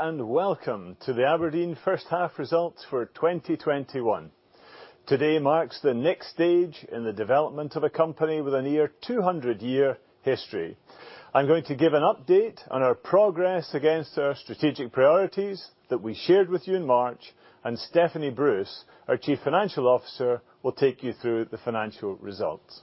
Hello, and welcome to the Aberdeen First Half Results for 2021. Today marks the next stage in the development of a company with a near 200-year history. I'm going to give an update on our progress against our strategic priorities that we shared with you in March, and Stephanie Bruce, our Chief Financial Officer, will take you through the financial results.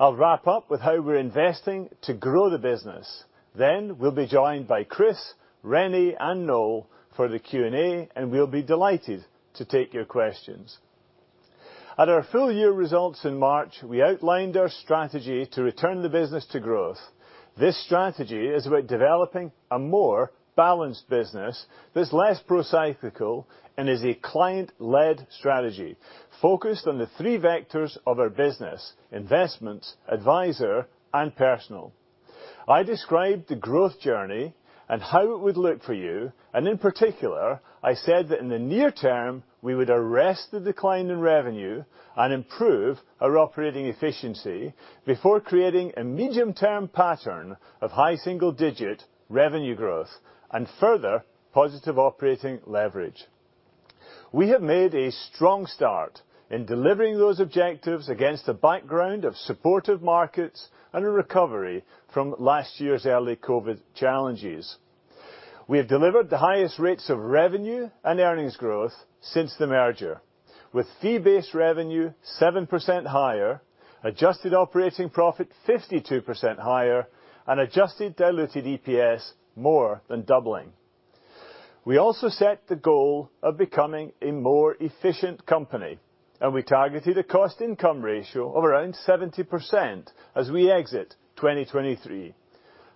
I'll wrap up with how we're investing to grow the business. We'll be joined by Chris, René, and Noel for the Q&A, and we'll be delighted to take your questions. At our full year results in March, we outlined our strategy to return the business to growth. This strategy is about developing a more balanced business that's less pro-cyclical and is a client-led strategy focused on the three vectors of our business, Investments, Adviser, and Personal. I described the growth journey and how it would look for you, and in particular, I said that in the near term, we would arrest the decline in revenue and improve our operating efficiency before creating a medium-term pattern of high single-digit revenue growth and further positive operating leverage. We have made a strong start in delivering those objectives against a background of supportive markets and a recovery from last year's early COVID challenges. We have delivered the highest rates of revenue and earnings growth since the merger. Fee-based revenue 7% higher, adjusted operating profit 52% higher, and adjusted diluted EPS more than doubling. We also set the goal of becoming a more efficient company, and we targeted a cost-income ratio of around 70% as we exit 2023.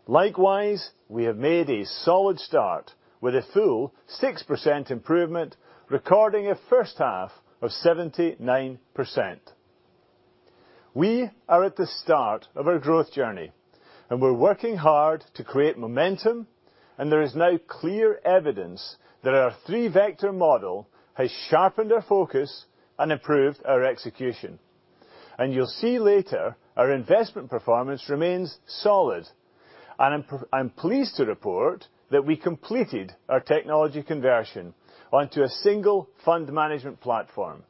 Likewise, we have made a solid start with a full 6% improvement, recording a first half of 79%. We are at the start of our growth journey, and we're working hard to create momentum, and there is now clear evidence that our three-vector model has sharpened our focus and improved our execution. You'll see later, our investment performance remains solid. I'm pleased to report that we completed our technology conversion onto a single fund management platform.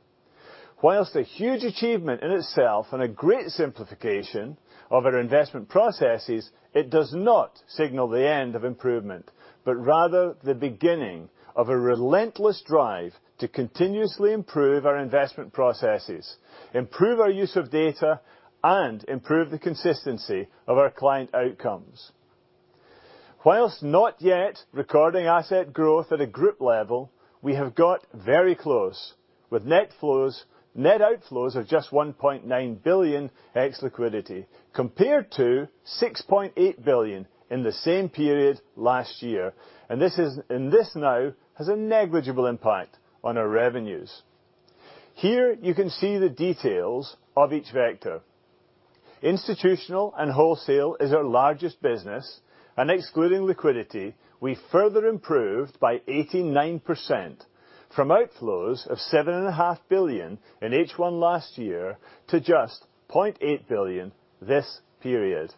Whilst a huge achievement in itself and a great simplification of our investment processes, it does not signal the end of improvement, but rather the beginning of a relentless drive to continuously improve our investment processes, improve our use of data, and improve the consistency of our client outcomes. Whilst not yet recording asset growth at a group level, we have got very close with net outflows of just 1.9 billion ex liquidity, compared to 6.8 billion in the same period last year. This now has a negligible impact on our revenues. Here you can see the details of each vector. Institutional and wholesale is our largest business, and excluding liquidity, we further improved by 89% from outflows of 7.5 billion In H1 last year to just 0.8 billion this period.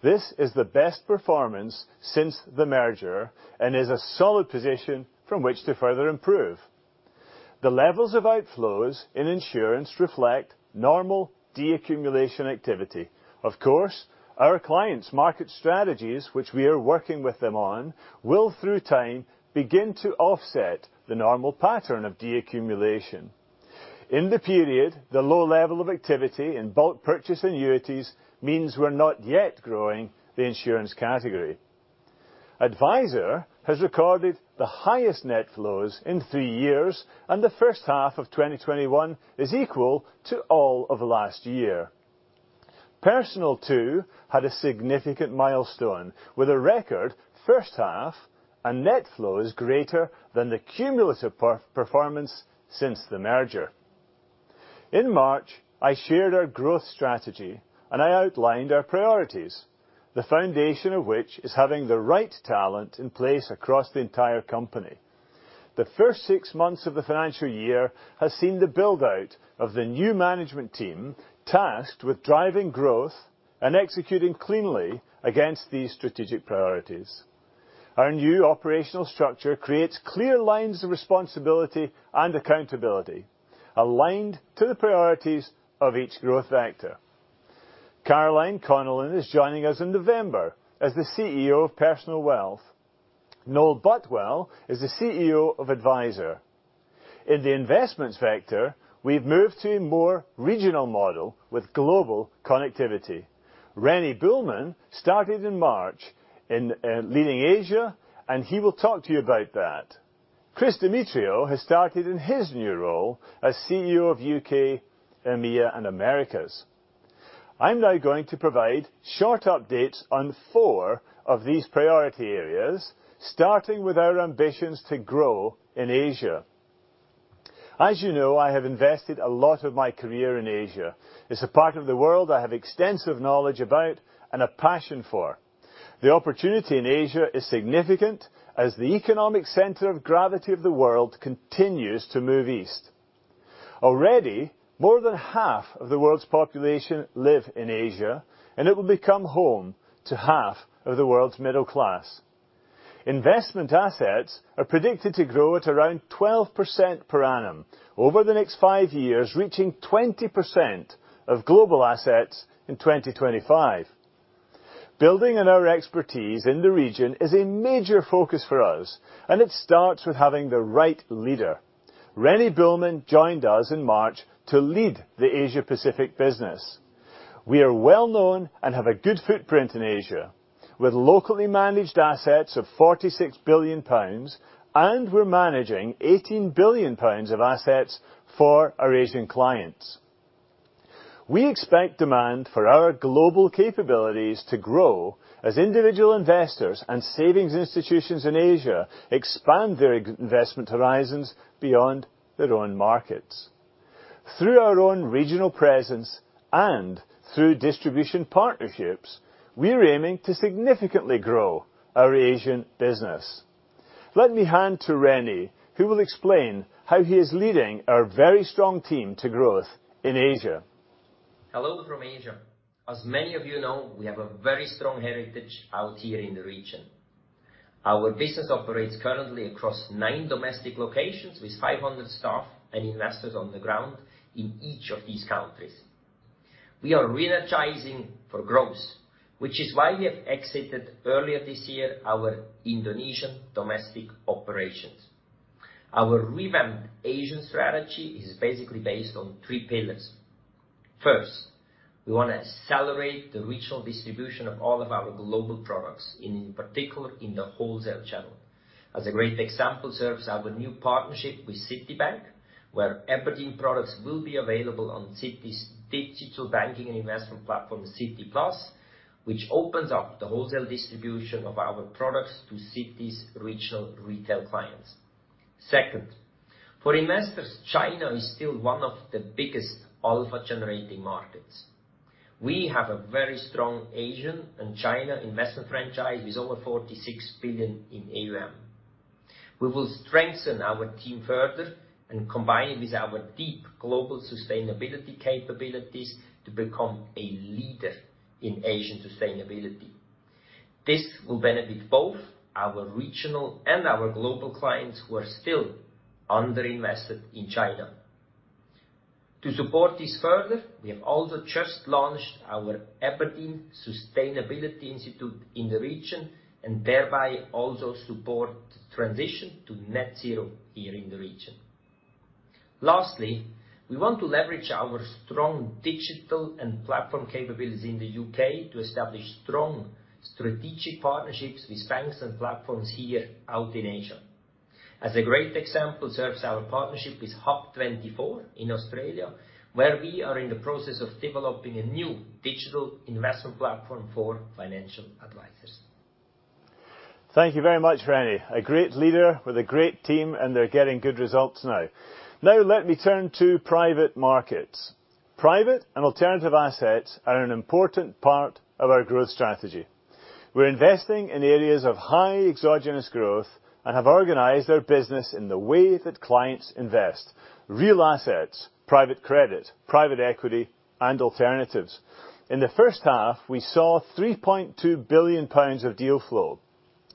This is the best performance since the merger and is a solid position from which to further improve. The levels of outflows in insurance reflect normal deaccumulation activity. Of course, our clients' market strategies, which we are working with them on, will, through time, begin to offset the normal pattern of deaccumulation. In the period, the low level of activity in bulk purchase annuities means we are not yet growing the insurance category. Adviser has recorded the highest net flows in three years, and the first half of 2021 is equal to all of last year. Personal, too, had a significant milestone with a record first half and net flows greater than the cumulative performance since the merger. In March, I shared our growth strategy, and I outlined our priorities, the foundation of which is having the right talent in place across the entire company. The first six months of the financial year has seen the build-out of the new management team tasked with driving growth and executing cleanly against these strategic priorities. Our new operational structure creates clear lines of responsibility and accountability aligned to the priorities of each growth vector. Caroline Connellan is joining us in November as the CEO of Personal Wealth. Noel Butwell is the CEO of Adviser. In the Investments vector, we've moved to a more regional model with global connectivity. René Buehlmann started in March leading Asia, and he will talk to you about that. Chris Demetriou has started in his new role as CEO of UK, EMEA, and Americas. I'm now going to provide short updates on four of these priority areas, starting with our ambitions to grow in Asia. As you know, I have invested a lot of my career in Asia. It's a part of the world I have extensive knowledge about and a passion for. The opportunity in Asia is significant as the economic center of gravity of the world continues to move east. Already, more than half of the world's population live in Asia, and it will become home to half of the world's middle class. Investment assets are predicted to grow at around 12% per annum over the next five years, reaching 20% of global assets in 2025. Building on our expertise in the region is a major focus for us, and it starts with having the right leader. René Buehlmann joined us in March to lead the Asia-Pacific business. We are well-known and have a good footprint in Asia with locally managed assets of 46 billion pounds, and we're managing 18 billion pounds of assets for our Asian clients. We expect demand for our global capabilities to grow as individual investors and savings institutions in Asia expand their investment horizons beyond their own markets. Through our own regional presence and through distribution partnerships, we are aiming to significantly grow our Asian business. Let me hand to René, who will explain how he is leading our very strong team to growth in Asia. Hello from Asia. As many of you know, we have a very strong heritage out here in the region. Our business operates currently across nine domestic locations with 500 staff and investors on the ground in each of these countries. We are energizing for growth, which is why we have exited earlier this year our Indonesian domestic operations. Our revamped Asian strategy is basically based on three pillars. First, we want to accelerate the regional distribution of all of our global products, in particular in the wholesale channel. As a great example serves our new partnership with Citibank, where Aberdeen products will be available on Citi's digital banking and investment platform, Citi Plus, which opens up the wholesale distribution of our products to Citi's regional retail clients. Second, for investors, China is still one of the biggest alpha-generating markets. We have a very strong Asian and China investment franchise with over 46 billion in AUM. We will strengthen our team further and combine with our deep global sustainability capabilities to become a leader in Asian sustainability. This will benefit both our regional and our global clients who are still under-invested in China. To support this further, we have also just launched our abrdn Sustainability Institute in the region and thereby also support transition to net zero here in the region. We want to leverage our strong digital and platform capabilities in the U.K. to establish strong strategic partnerships with banks and platforms here out in Asia. As a great example serves our partnership with HUB24 in Australia, where we are in the process of developing a new digital investment platform for financial advisers. Thank you very much, René. A great leader with a great team, they're getting good results now. Let me turn to private markets. Private and alternative assets are an important part of our growth strategy. We're investing in areas of high exogenous growth and have organized our business in the way that clients invest. Real assets, private credit, private equity, and alternatives. In the first half, we saw 3.2 billion pounds of deal flow.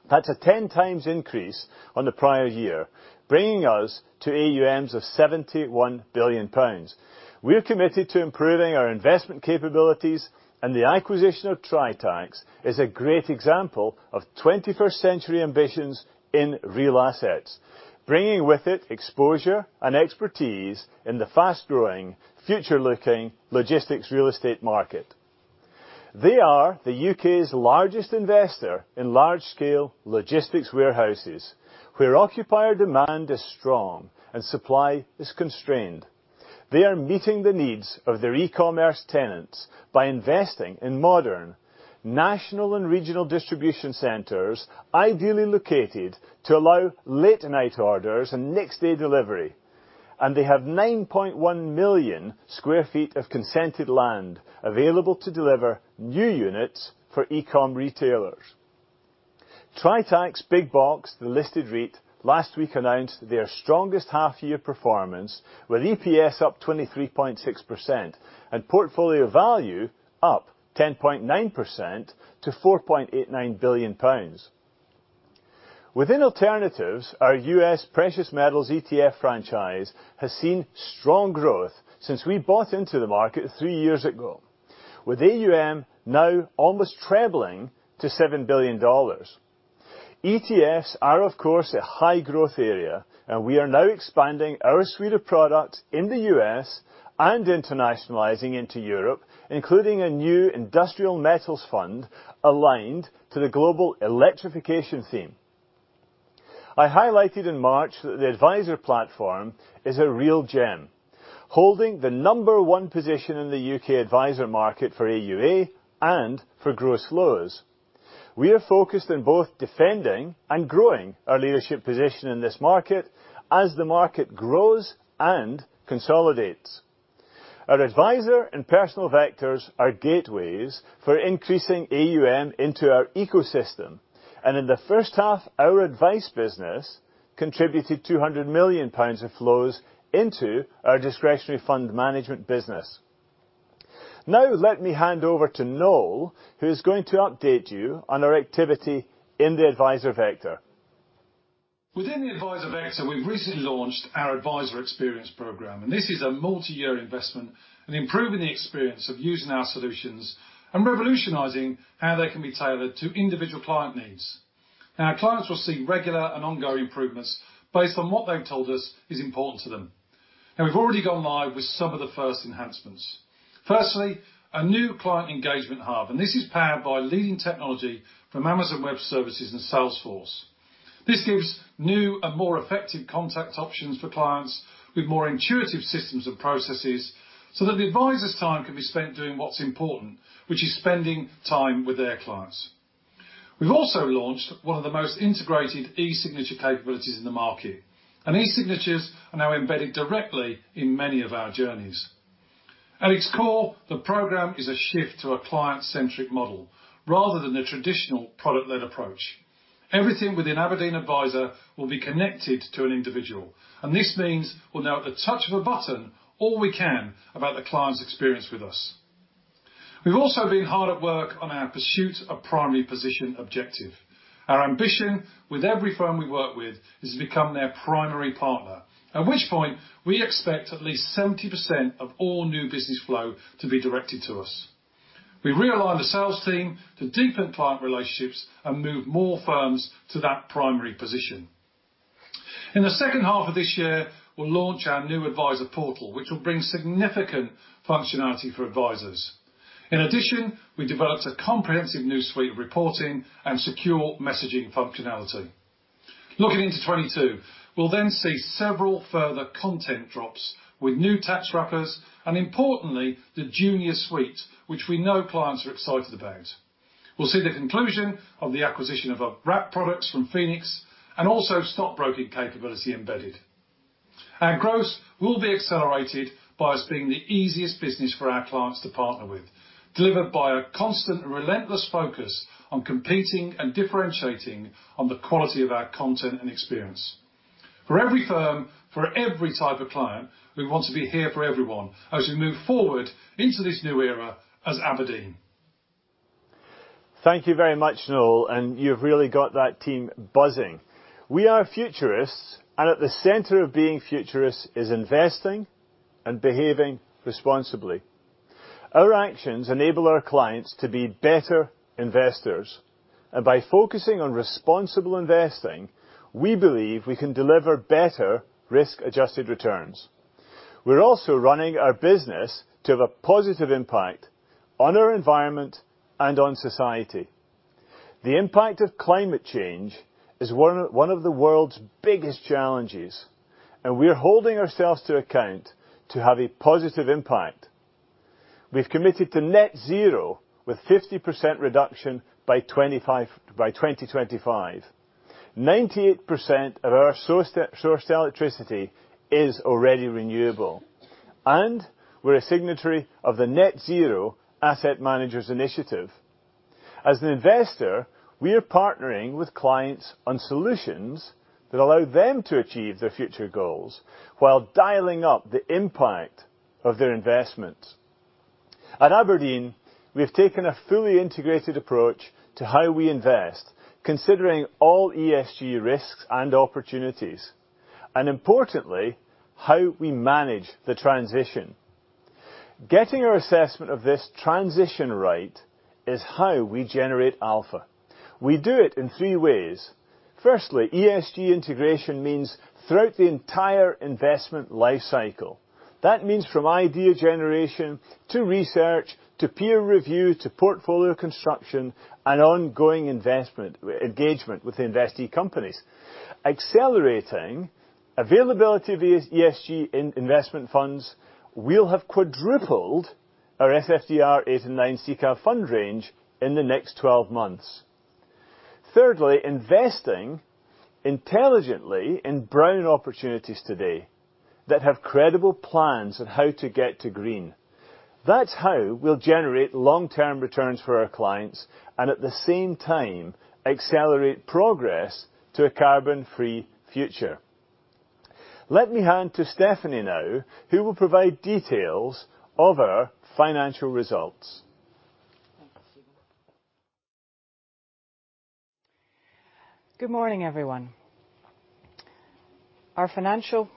That's a 10x increase on the prior year, bringing us to AUM of 71 billion pounds. We're committed to improving our investment capabilities, the acquisition of Tritax is a great example of 21st century ambitions in real assets, bringing with it exposure and expertise in the fast-growing, future-looking logistics real estate market. They are the U.K.'s largest investor in large-scale logistics warehouses, where occupier demand is strong and supply is constrained. They are meeting the needs of their e-commerce tenants by investing in modern national and regional distribution centers, ideally located to allow late-night orders and next-day delivery. They have 9.1 million sq ft of consented land available to deliver new units for e-com retailers. Tritax Big Box, the listed REIT, last week announced their strongest half-year performance, with EPS up 23.6% and portfolio value up 10.9% to 4.89 billion pounds. Within alternatives, our U.S. Precious Metals ETF franchise has seen strong growth since we bought into the market three years ago, with AUM now almost trebling to $7 billion. ETFs are, of course, a high-growth area, and we are now expanding our suite of products in the U.S. and internationalizing into Europe, including a new industrial metals fund aligned to the global electrification theme. I highlighted in March that the Adviser platform is a real gem, holding the number one position in the U.K. Adviser market for AUA and for gross flows. We are focused on both defending and growing our leadership position in this market as the market grows and consolidates. Our Adviser and Personal vectors are gateways for increasing AUM into our ecosystem. In the first half, our Advice business contributed 200 million pounds of flows into our discretionary fund management business. Now, let me hand over to Noel, who's going to update you on our activity in the Adviser vector. Within the Adviser vector, we've recently launched our Adviser Experience Programme. This is a multi-year investment in improving the experience of using our solutions and revolutionizing how they can be tailored to individual client needs. Our clients will see regular and ongoing improvements based on what they've told us is important to them. We've already gone live with some of the first enhancements. Firstly, a new client engagement hub. This is powered by leading technology from Amazon Web Services and Salesforce. This gives new and more effective contact options for clients with more intuitive systems and processes so that the adviser's time can be spent doing what's important, which is spending time with their clients. We've also launched one of the most integrated e-signature capabilities in the market. E-signatures are now embedded directly in many of our journeys. At its core, the program is a shift to a client-centric model rather than a traditional product-led approach. Everything within Aberdeen Adviser will be connected to an individual. This means we will know at the touch of a button all we can about the client's experience with us. We have also been hard at work on our pursuit of primary position objective. Our ambition with every firm we work with is to become their primary partner, at which point we expect at least 70% of all new business flow to be directed to us. We realigned the sales team to deepen client relationships and move more firms to that primary position. In the second half of this year, we will launch our new adviser portal, which will bring significant functionality for advisers. In addition, we developed a comprehensive new suite of reporting and secure messaging functionality. Looking into 2022, we'll see several further content drops with new tax wrappers, and importantly, the Junior ISA, which we know clients are excited about. We'll see the conclusion of the acquisition of Wrap products from Phoenix and also stockbroking capability embedded. Our growth will be accelerated by us being the easiest business for our clients to partner with, delivered by a constant relentless focus on competing and differentiating on the quality of our content and experience. For every firm, for every type of client, we want to be here for everyone as we move forward into this new era as Aberdeen. Thank you very much, Noel. You've really got that team buzzing. We are futurists. At the center of being futurists is investing and behaving responsibly. Our actions enable our clients to be better investors. By focusing on responsible investing, we believe we can deliver better risk-adjusted returns. We're also running our business to have a positive impact on our environment and on society. The impact of climate change is one of the world's biggest challenges. We are holding ourselves to account to have a positive impact. We've committed to net zero with 50% reduction by 2025. 98% of our sourced electricity is already renewable. We're a signatory of the Net Zero Asset Managers initiative. As an investor, we are partnering with clients on solutions that allow them to achieve their future goals while dialing up the impact of their investment. At Aberdeen, we have taken a fully integrated approach to how we invest, considering all ESG risks and opportunities, and importantly, how we manage the transition. Getting our assessment of this transition right is how we generate alpha. We do it in three ways. Firstly, ESG integration means throughout the entire investment life cycle. That means from idea generation, to research, to peer review, to portfolio construction, and ongoing engagement with investee companies. Accelerating availability of ESG investment funds will have quadrupled our SFDR and SICAV fund range in the next 12 months. Thirdly, investing intelligently in brown opportunities today that have credible plans on how to get to green. That's how we'll generate long-term returns for our clients and at the same time accelerate progress to a carbon-free future. Let me hand to Stephanie now, who will provide details of our financial results. Thank you, Stephen. Good morning, everyone. Our financial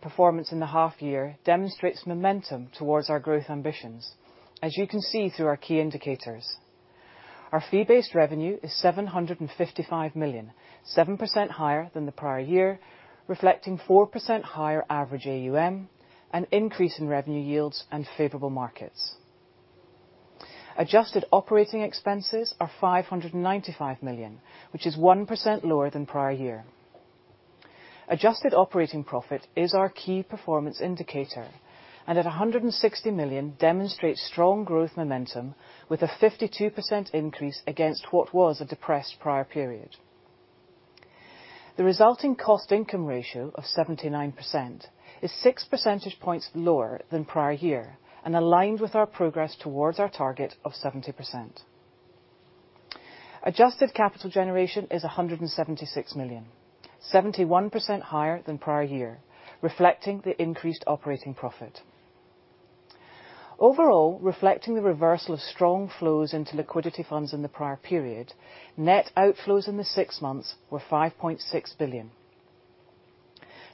performance in the half year demonstrates momentum towards our growth ambitions, as you can see through our key indicators. Our fee-based revenue is 755 million, 7% higher than the prior year, reflecting 4% higher average AUM, an increase in revenue yields, and favorable markets. Adjusted operating expenses are 595 million, which is 1% lower than prior year. Adjusted operating profit is our key performance indicator, at 160 million, demonstrates strong growth momentum with a 52% increase against what was a depressed prior period. The resulting cost-income ratio of 79% is six percentage points lower than prior year and aligned with our progress towards our target of 70%. Adjusted capital generation is 176 million, 71% higher than prior year, reflecting the increased operating profit. Overall, reflecting the reversal of strong flows into liquidity funds in the prior period, net outflows in the six months were 5.6 billion.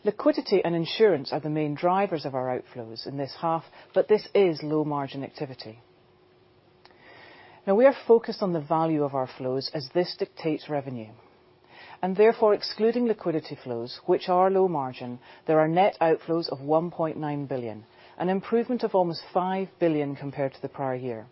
Liquidity and insurance are the main drivers of our outflows in this half, but this is low-margin activity. We are focused on the value of our flows as this dictates revenue. Therefore, excluding liquidity flows, which are low margin, there are net outflows of 1.9 billion, an improvement of almost 5 billion compared to the prior year.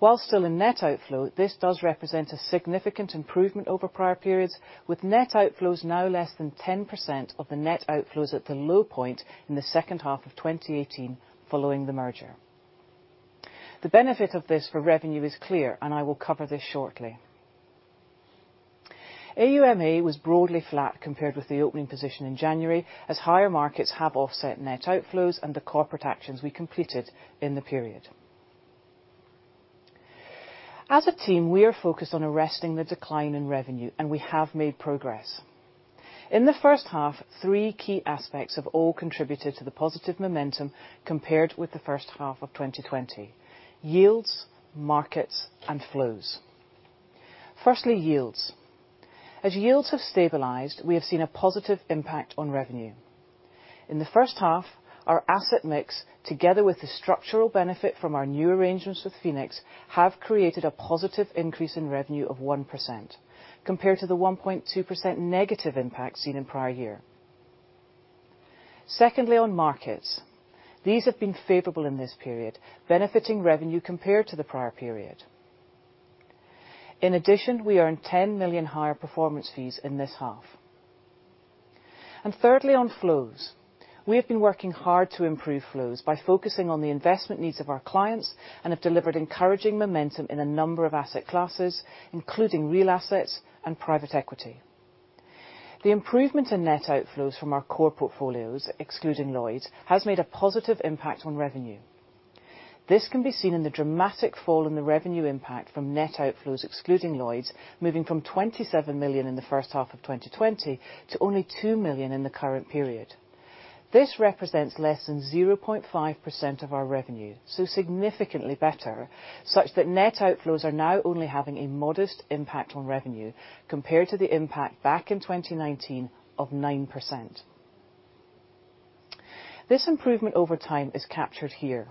While still a net outflow, this does represent a significant improvement over prior periods, with net outflows now less than 10% of the net outflows at the low point in the second half of 2018 following the merger. The benefit of this for revenue is clear, and I will cover this shortly. AUMA was broadly flat compared with the opening position in January, as higher markets have offset net outflows and the corporate actions we completed in the period. As a team, we are focused on arresting the decline in revenue, and we have made progress. In the first half, three key aspects have all contributed to the positive momentum compared with the first half of 2020. Yields, markets, and flows. Firstly, yields. As yields have stabilized, we have seen a positive impact on revenue. In the first half, our asset mix, together with the structural benefit from our new arrangements with Phoenix, have created a positive increase in revenue of 1%, compared to the 1.2% negative impact seen in prior year. Secondly, on markets. These have been favorable in this period, benefiting revenue compared to the prior period. In addition, we earned 10 million higher performance fees in this half. Thirdly, on flows. We have been working hard to improve flows by focusing on the investment needs of our clients and have delivered encouraging momentum in a number of asset classes, including real assets and private equity. The improvement in net outflows from our core portfolios, excluding Lloyds, has made a positive impact on revenue. This can be seen in the dramatic fall in the revenue impact from net outflows excluding Lloyds, moving from 27 million in the first half of 2020 to only 2 million in the current period. This represents less than 0.5% of our revenue, so significantly better, such that net outflows are now only having a modest impact on revenue compared to the impact back in 2019 of 9%. This improvement over time is captured here.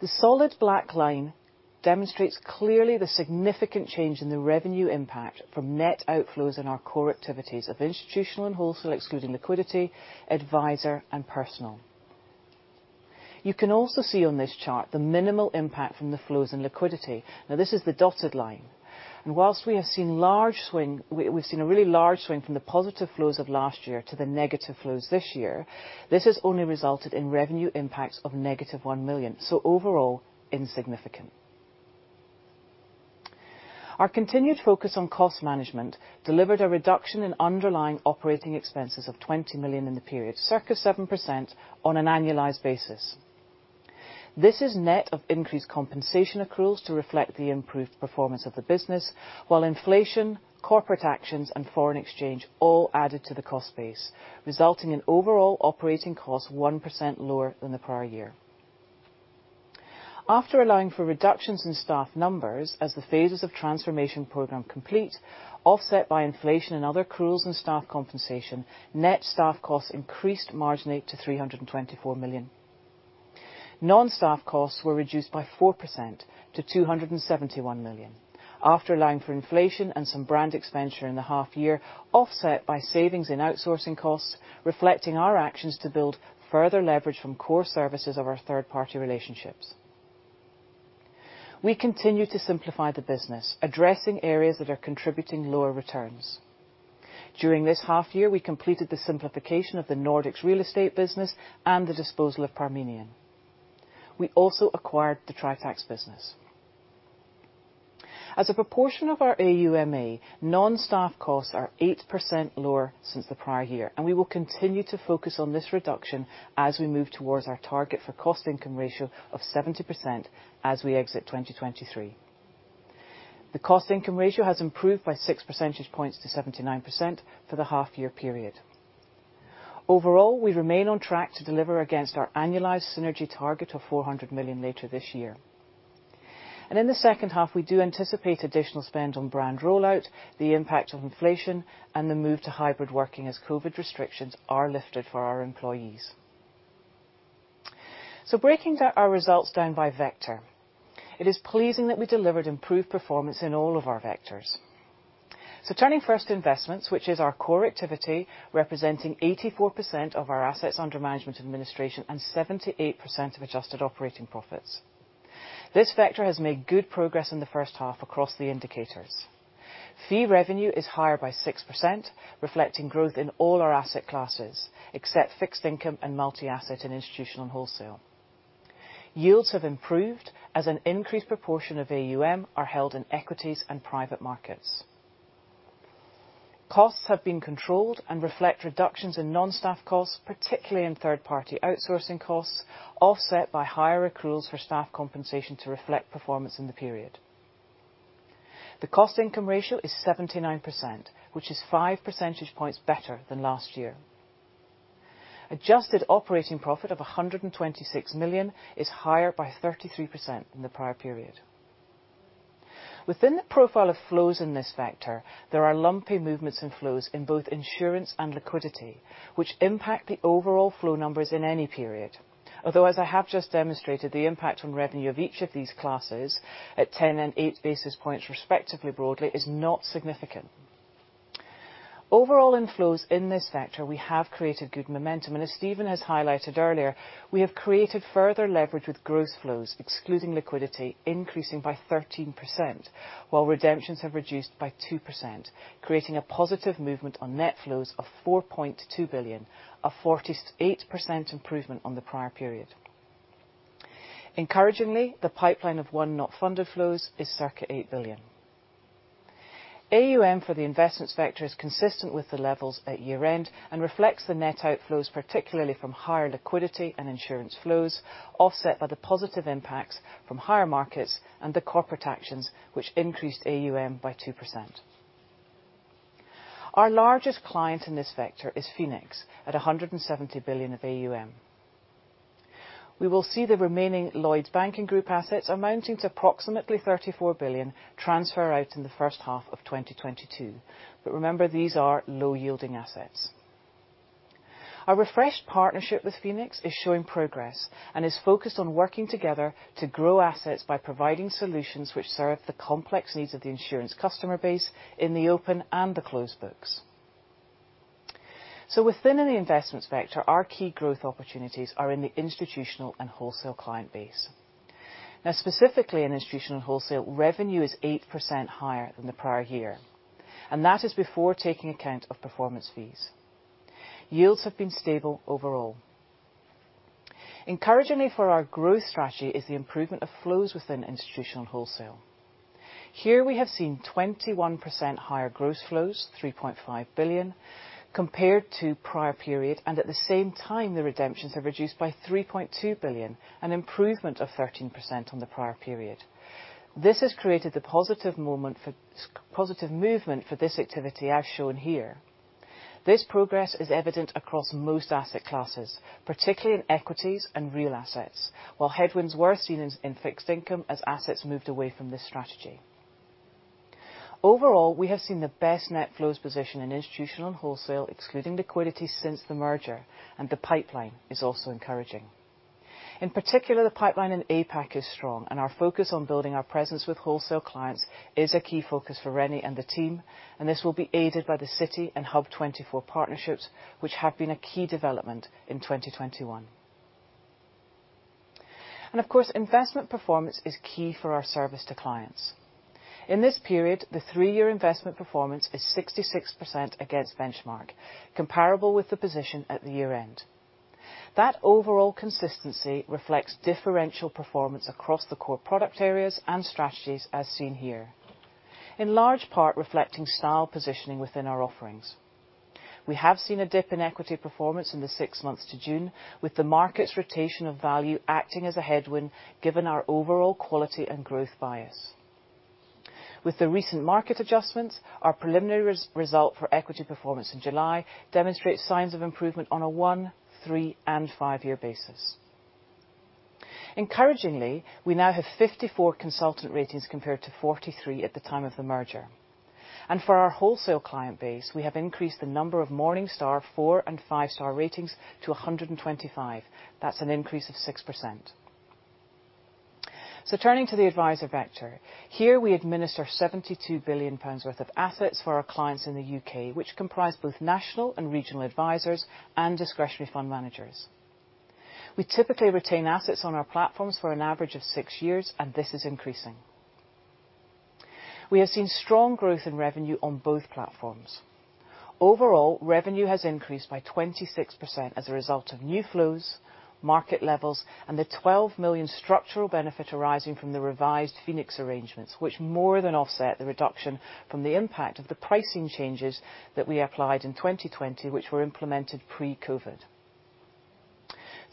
The solid black line demonstrates clearly the significant change in the revenue impact from net outflows in our core activities of institutional and wholesale, excluding liquidity, adviser and personal. You can also see on this chart the minimal impact from the flows in liquidity. Now, this is the dotted line. Whilst we have seen a really large swing from the positive flows of last year to the negative flows this year, this has only resulted in revenue impacts of negative 1 million. Overall, insignificant. Our continued focus on cost management delivered a reduction in underlying operating expenses of 20 million in the period, circa 7% on an annualized basis. This is net of increased compensation accruals to reflect the improved performance of the business, while inflation, corporate actions and foreign exchange all added to the cost base, resulting in overall operating costs 1% lower than the prior year. After allowing for reductions in staff numbers as the phases of transformation program complete, offset by inflation and other accruals and staff compensation, net staff costs increased marginally to 324 million. Non-staff costs were reduced by 4% to 271 million after allowing for inflation and some brand expenditure in the half year, offset by savings in outsourcing costs, reflecting our actions to build further leverage from core services of our third-party relationships. We continue to simplify the business, addressing areas that are contributing lower returns. During this half year, we completed the simplification of the Nordics real estate business and the disposal of Parmenion. We also acquired the Tritax business. As a proportion of our AUMA, non-staff costs are 8% lower since the prior year, and we will continue to focus on this reduction as we move towards our target for cost-income ratio of 70% as we exit 2023. The cost-income ratio has improved by 6 percentage points to 79% for the half-year period. Overall, we remain on track to deliver against our annualized synergy target of 400 million later this year. In the second half, we do anticipate additional spend on brand rollout, the impact of inflation and the move to hybrid working as COVID restrictions are lifted for our employees. Breaking our results down by vector. It is pleasing that we delivered improved performance in all of our vectors. Turning first to investments, which is our core activity, representing 84% of our assets under management administration and 78% of adjusted operating profits. This vector has made good progress in the first half across the indicators. Fee revenue is higher by 6%, reflecting growth in all our asset classes, except fixed income and multi-asset in institutional wholesale. Yields have improved as an increased proportion of AUM are held in equities and private markets. Costs have been controlled and reflect reductions in non-staff costs, particularly in third-party outsourcing costs, offset by higher accruals for staff compensation to reflect performance in the period. The cost-income ratio is 79%, which is 5 percentage points better than last year. Adjusted operating profit of 126 million is higher by 33% than the prior period. Within the profile of flows in this vector, there are lumpy movements in flows in both insurance and liquidity, which impact the overall flow numbers in any period. As I have just demonstrated, the impact on revenue of each of these classes at 10 and 8 basis points respectively broadly is not significant. Overall, inflows in this sector, we have created good momentum, and as Stephen has highlighted earlier, we have created further leverage with growth flows, excluding liquidity, increasing by 13%, while redemptions have reduced by 2%, creating a positive movement on net flows of 4.2 billion, a 48% improvement on the prior period. Encouragingly, the pipeline of one not funded flows is circa 8 billion. AUM for the Investments vector is consistent with the levels at year-end and reflects the net outflows, particularly from higher liquidity and insurance flows, offset by the positive impacts from higher markets and the corporate actions which increased AUM by 2%. Our largest client in this vector is Phoenix at 170 billion of AUM. We will see the remaining Lloyds Banking Group assets amounting to approximately 34 billion transfer out in the first half of 2022. Remember, these are low-yielding assets. Our refreshed partnership with Phoenix is showing progress and is focused on working together to grow assets by providing solutions which serve the complex needs of the insurance customer base in the open and the closed books. Within the Investments vector, our key growth opportunities are in the institutional and wholesale client base. Specifically in institutional wholesale, revenue is 8% higher than the prior year, and that is before taking account of performance fees. Yields have been stable overall. Encouragingly for our growth strategy is the improvement of flows within institutional wholesale. Here, we have seen 21% higher gross flows, 3.5 billion, compared to prior period, and at the same time, the redemptions have reduced by 3.2 billion, an improvement of 13% on the prior period. This has created the positive movement for this activity as shown here. This progress is evident across most asset classes, particularly in equities and real assets. While headwinds were seen in fixed income as assets moved away from this strategy. Overall, we have seen the best net flows position in institutional and wholesale, excluding liquidity since the merger, and the pipeline is also encouraging. In particular, the pipeline in APAC is strong and our focus on building our presence with wholesale clients is a key focus for René and the team. This will be aided by the Citi and HUB24 partnerships, which have been a key development in 2021. Of course, investment performance is key for our service to clients. In this period, the three-year investment performance is 66% against benchmark, comparable with the position at the year-end. That overall consistency reflects differential performance across the core product areas and strategies, as seen here. In large part reflecting style positioning within our offerings. We have seen a dip in equity performance in the six months to June, with the market's rotation of value acting as a headwind, given our overall quality and growth bias. With the recent market adjustments, our preliminary result for equity performance in July demonstrates signs of improvement on a one, three and five-year basis. Encouragingly, we now have 54 consultant ratings compared to 43 at the time of the merger. For our wholesale client base, we have increased the number of Morningstar four and five-star ratings to 125. That's an increase of 6%. Turning to the Adviser vector. Here we administer 72 billion pounds worth of assets for our clients in the U.K., which comprise both national and regional advisers and discretionary fund managers. We typically retain assets on our platforms for an average of 6 years, and this is increasing. We have seen strong growth in revenue on both platforms. Overall, revenue has increased by 26% as a result of new flows, market levels, and the 12 million structural benefit arising from the revised Phoenix Group arrangements, which more than offset the reduction from the impact of the pricing changes that we applied in 2020, which were implemented pre-COVID.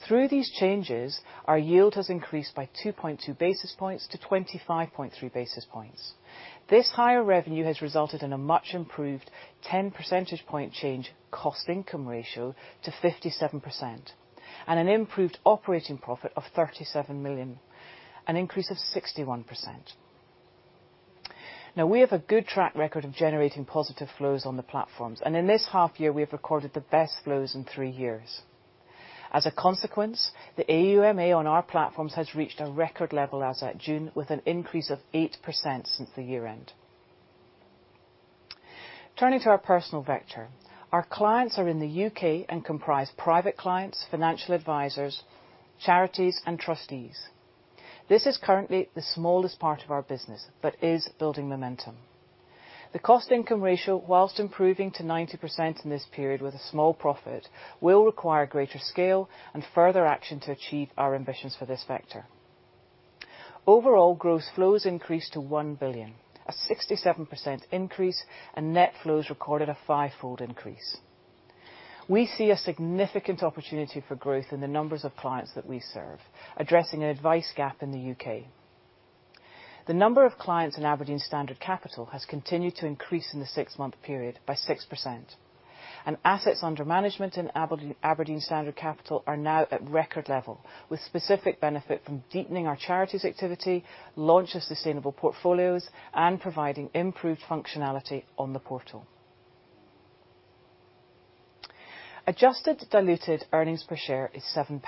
Through these changes, our yield has increased by 2.2 basis points to 25.3 basis points. This higher revenue has resulted in a much improved 10 percentage point change cost-income ratio to 57% and an improved operating profit of 37 million, an increase of 61%. We have a good track record of generating positive flows on the platforms, and in this half year we have recorded the best flows in 3 years. As a consequence, the AUMA on our platforms has reached a record level as at June, with an increase of 8% since the year-end. Turning to our Personal vector. Our clients are in the U.K. and comprise private clients, financial advisers, charities and trustees. This is currently the smallest part of our business but is building momentum. The cost-income ratio, whilst improving to 90% in this period with a small profit, will require greater scale and further action to achieve our ambitions for this vector. Overall, gross flows increased to 1 billion, a 67% increase, and net flows recorded a five-fold increase. We see a significant opportunity for growth in the numbers of clients that we serve, addressing an advice gap in the U.K. The number of clients in Aberdeen Standard Capital has continued to increase in the six-month period by 6%. Assets under management in Aberdeen Standard Capital are now at record level, with specific benefit from deepening our charities activity, launch of sustainable portfolios, and providing improved functionality on the portal. Adjusted diluted earnings per share is 0.07,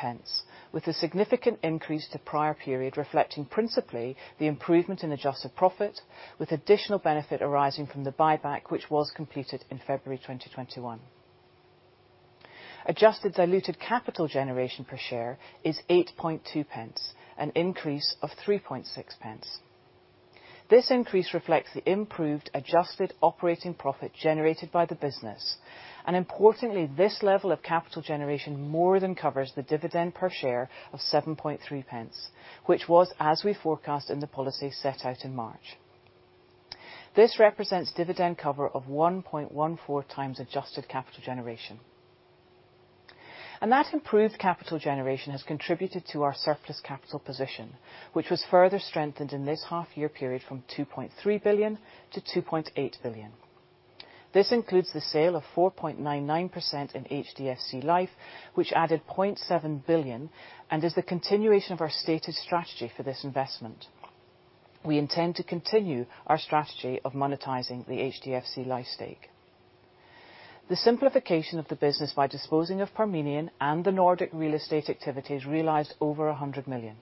with a significant increase to prior period reflecting principally the improvement in adjusted profit, with additional benefit arising from the buyback, which was completed in February 2021. Adjusted diluted capital generation per share is 0.082, an increase of 0.036. This increase reflects the improved adjusted operating profit generated by the business. Importantly, this level of capital generation more than covers the dividend per share of 0.073, which was as we forecast in the policy set out in March. This represents dividend cover of 1.14x adjusted capital generation. That improved capital generation has contributed to our surplus capital position, which was further strengthened in this half year period from 2.3 billion to 2.8 billion. This includes the sale of 4.99% in HDFC Life, which added 0.7 billion, and is the continuation of our stated strategy for this investment. We intend to continue our strategy of monetizing the HDFC Life stake. The simplification of the business by disposing of Parmenion and the Nordic real estate activities realized over 100 million.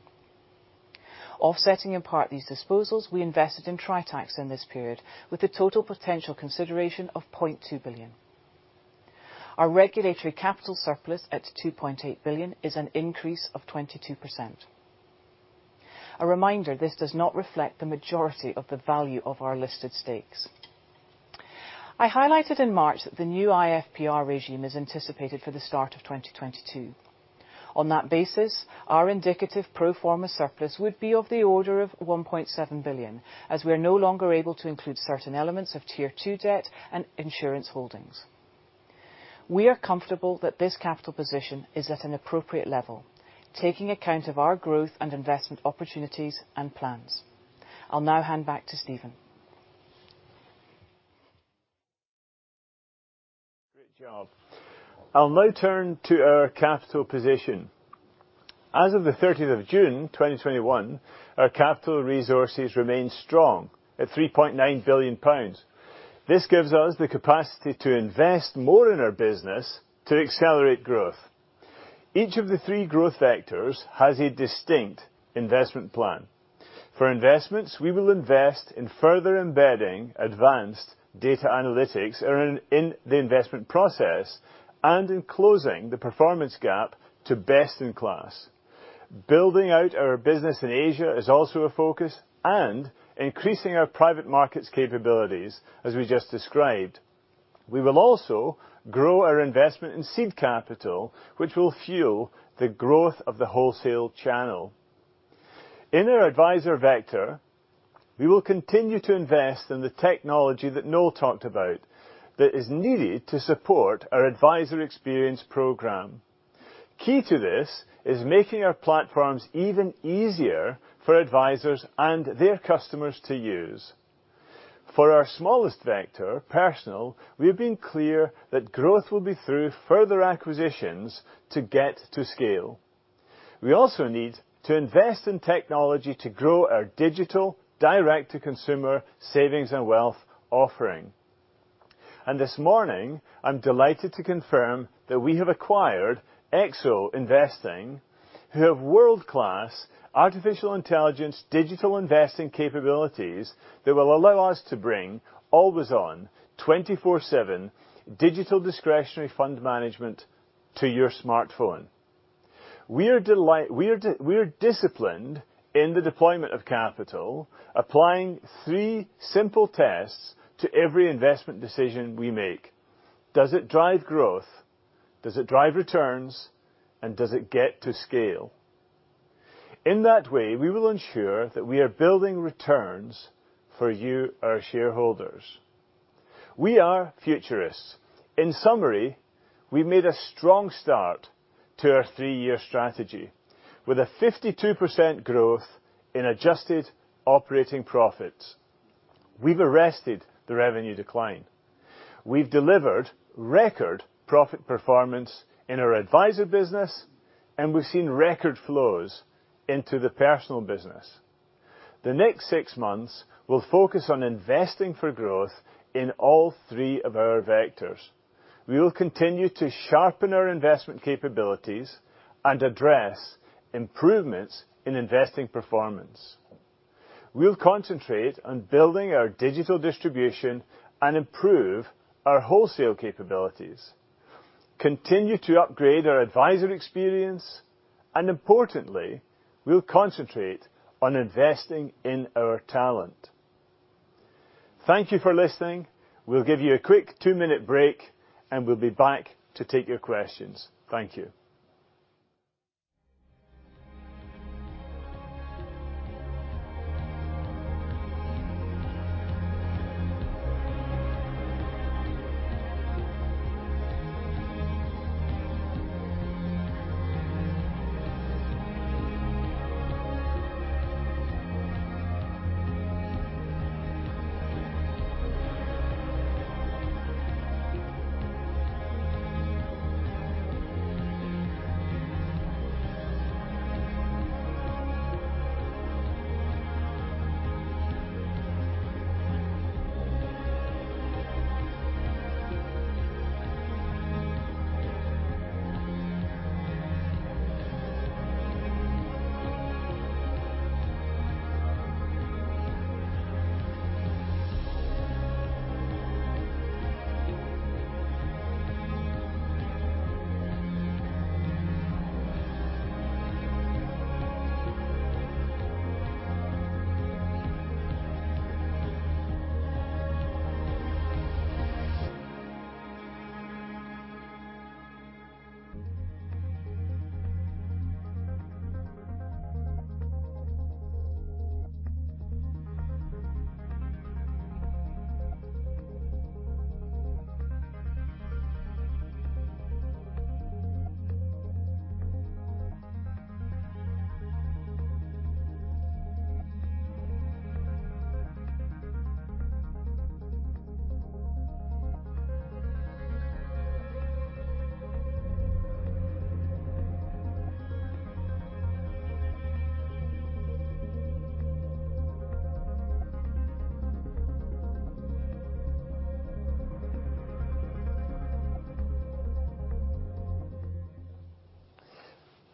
Offsetting in part these disposals, we invested in Tritax in this period, with the total potential consideration of 0.2 billion. Our regulatory capital surplus at 2.8 billion is an increase of 22%. A reminder, this does not reflect the majority of the value of our listed stakes. I highlighted in March that the new IFPR regime is anticipated for the start of 2022. On that basis, our indicative pro forma surplus would be of the order of 1.7 billion, as we are no longer able to include certain elements of Tier 2 debt and insurance holdings. We are comfortable that this capital position is at an appropriate level, taking account of our growth and investment opportunities and plans. I'll now hand back to Stephen. Great job. I'll now turn to our capital position. As of the 30th of June 2021, our capital resources remain strong at 3.9 billion pounds. This gives us the capacity to invest more in our business to accelerate growth. Each of the three growth vectors has a distinct investment plan. For investments, we will invest in further embedding advanced data analytics in the investment process and in closing the performance gap to best in class. Building out our business in Asia is also a focus and increasing our private markets capabilities, as we just described. We will also grow our investment in seed capital, which will fuel the growth of the wholesale channel. In our Adviser vector, we will continue to invest in the technology that Noel Butwell talked about that is needed to support our adviser experience program. Key to this is making our platforms even easier for advisers and their customers to use. For our smallest vector, Personal, we've been clear that growth will be through further acquisitions to get to scale. We also need to invest in technology to grow our digital direct-to-consumer savings and wealth offering. This morning, I'm delighted to confirm that we have acquired Exo Investing, who have world-class artificial intelligence digital investing capabilities that will allow us to bring always-on, 24/7 digital discretionary fund management to your smartphone. We're disciplined in the deployment of capital, applying three simple tests to every investment decision we make. Does it drive growth? Does it drive returns? Does it get to scale? In that way, we will ensure that we are building returns for you, our shareholders. We are futurists. In summary, we made a strong start to our three-year strategy. With a 52% growth in adjusted operating profits, we've arrested the revenue decline. We've delivered record profit performance in our Aberdeen Adviser business, and we've seen record flows into the Personal Wealth business. The next six months will focus on investing for growth in all three of our vectors. We will continue to sharpen our investment capabilities and address improvements in investing performance. We'll concentrate on building our digital distribution and improve our wholesale capabilities. Continue to upgrade our adviser experience, and importantly, we'll concentrate on investing in our talent. Thank you for listening. We'll give you a quick two-minute break, and we'll be back to take your questions. Thank you.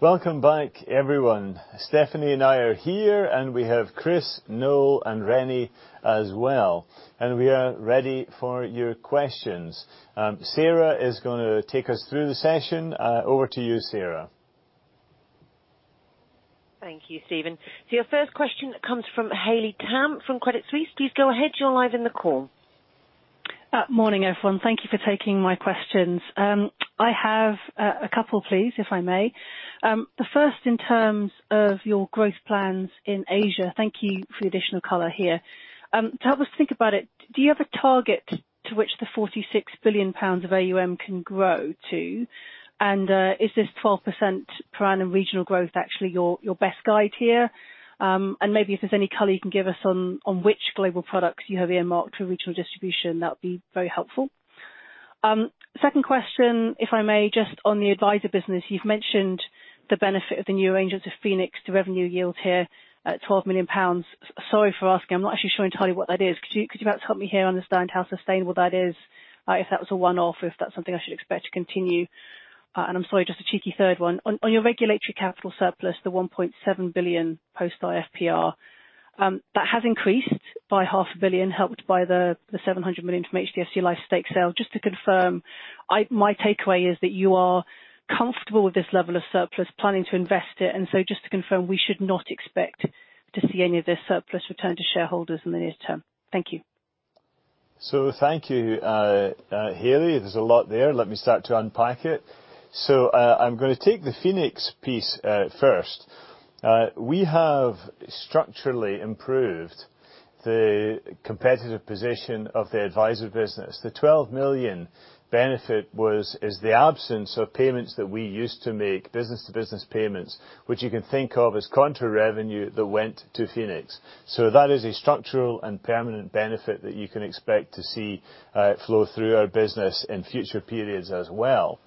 Welcome back, everyone. Stephanie and I are here, and we have Chris, Noel, and René as well, and we are ready for your questions. Sarah is going to take us through the session. Over to you, Sarah. Thank you, Stephen. Your first question comes from Haley Tam from Credit Suisse. Please go ahead. You're live in the call. Morning, everyone. Thank you for taking my questions. I have a couple, please, if I may. The first in terms of your growth plans in Asia. Thank you for the additional color here. To help us think about it, do you have a target to which the 46 billion pounds of AUM can grow to? And is this 12% per annum regional growth actually your best guide here? And maybe if there's any color you can give us on which global products you have earmarked for regional distribution, that would be very helpful. Second question, if I may, just on the Adviser business. You've mentioned the benefit of the new arrangements of Phoenix to revenue yield here at 12 million pounds. Sorry for asking, I'm not actually sure entirely what that is. Could you perhaps help me here understand how sustainable that is? If that was a one-off or if that's something I should expect to continue. I'm sorry, just a cheeky third one. On your regulatory capital surplus, the 1.7 billion post IFPR. That has increased by half a billion, helped by the 700 million from HDFC Life stake sale. Just to confirm, my takeaway is that you are comfortable with this level of surplus, planning to invest it, and so just to confirm, we should not expect to see any of this surplus return to shareholders in the near term. Thank you. Thank you, Haley. There is a lot there. Let me start to unpack it. I am going to take the Phoenix piece first. We have structurally improved the competitive position of the Advisery business. The 12 million benefit is the absence of payments that we used to make, business-to-business payments, which you can think of as contra revenue that went to Phoenix. That is a structural and permanent benefit that you can expect to see flow through our business in future periods as well.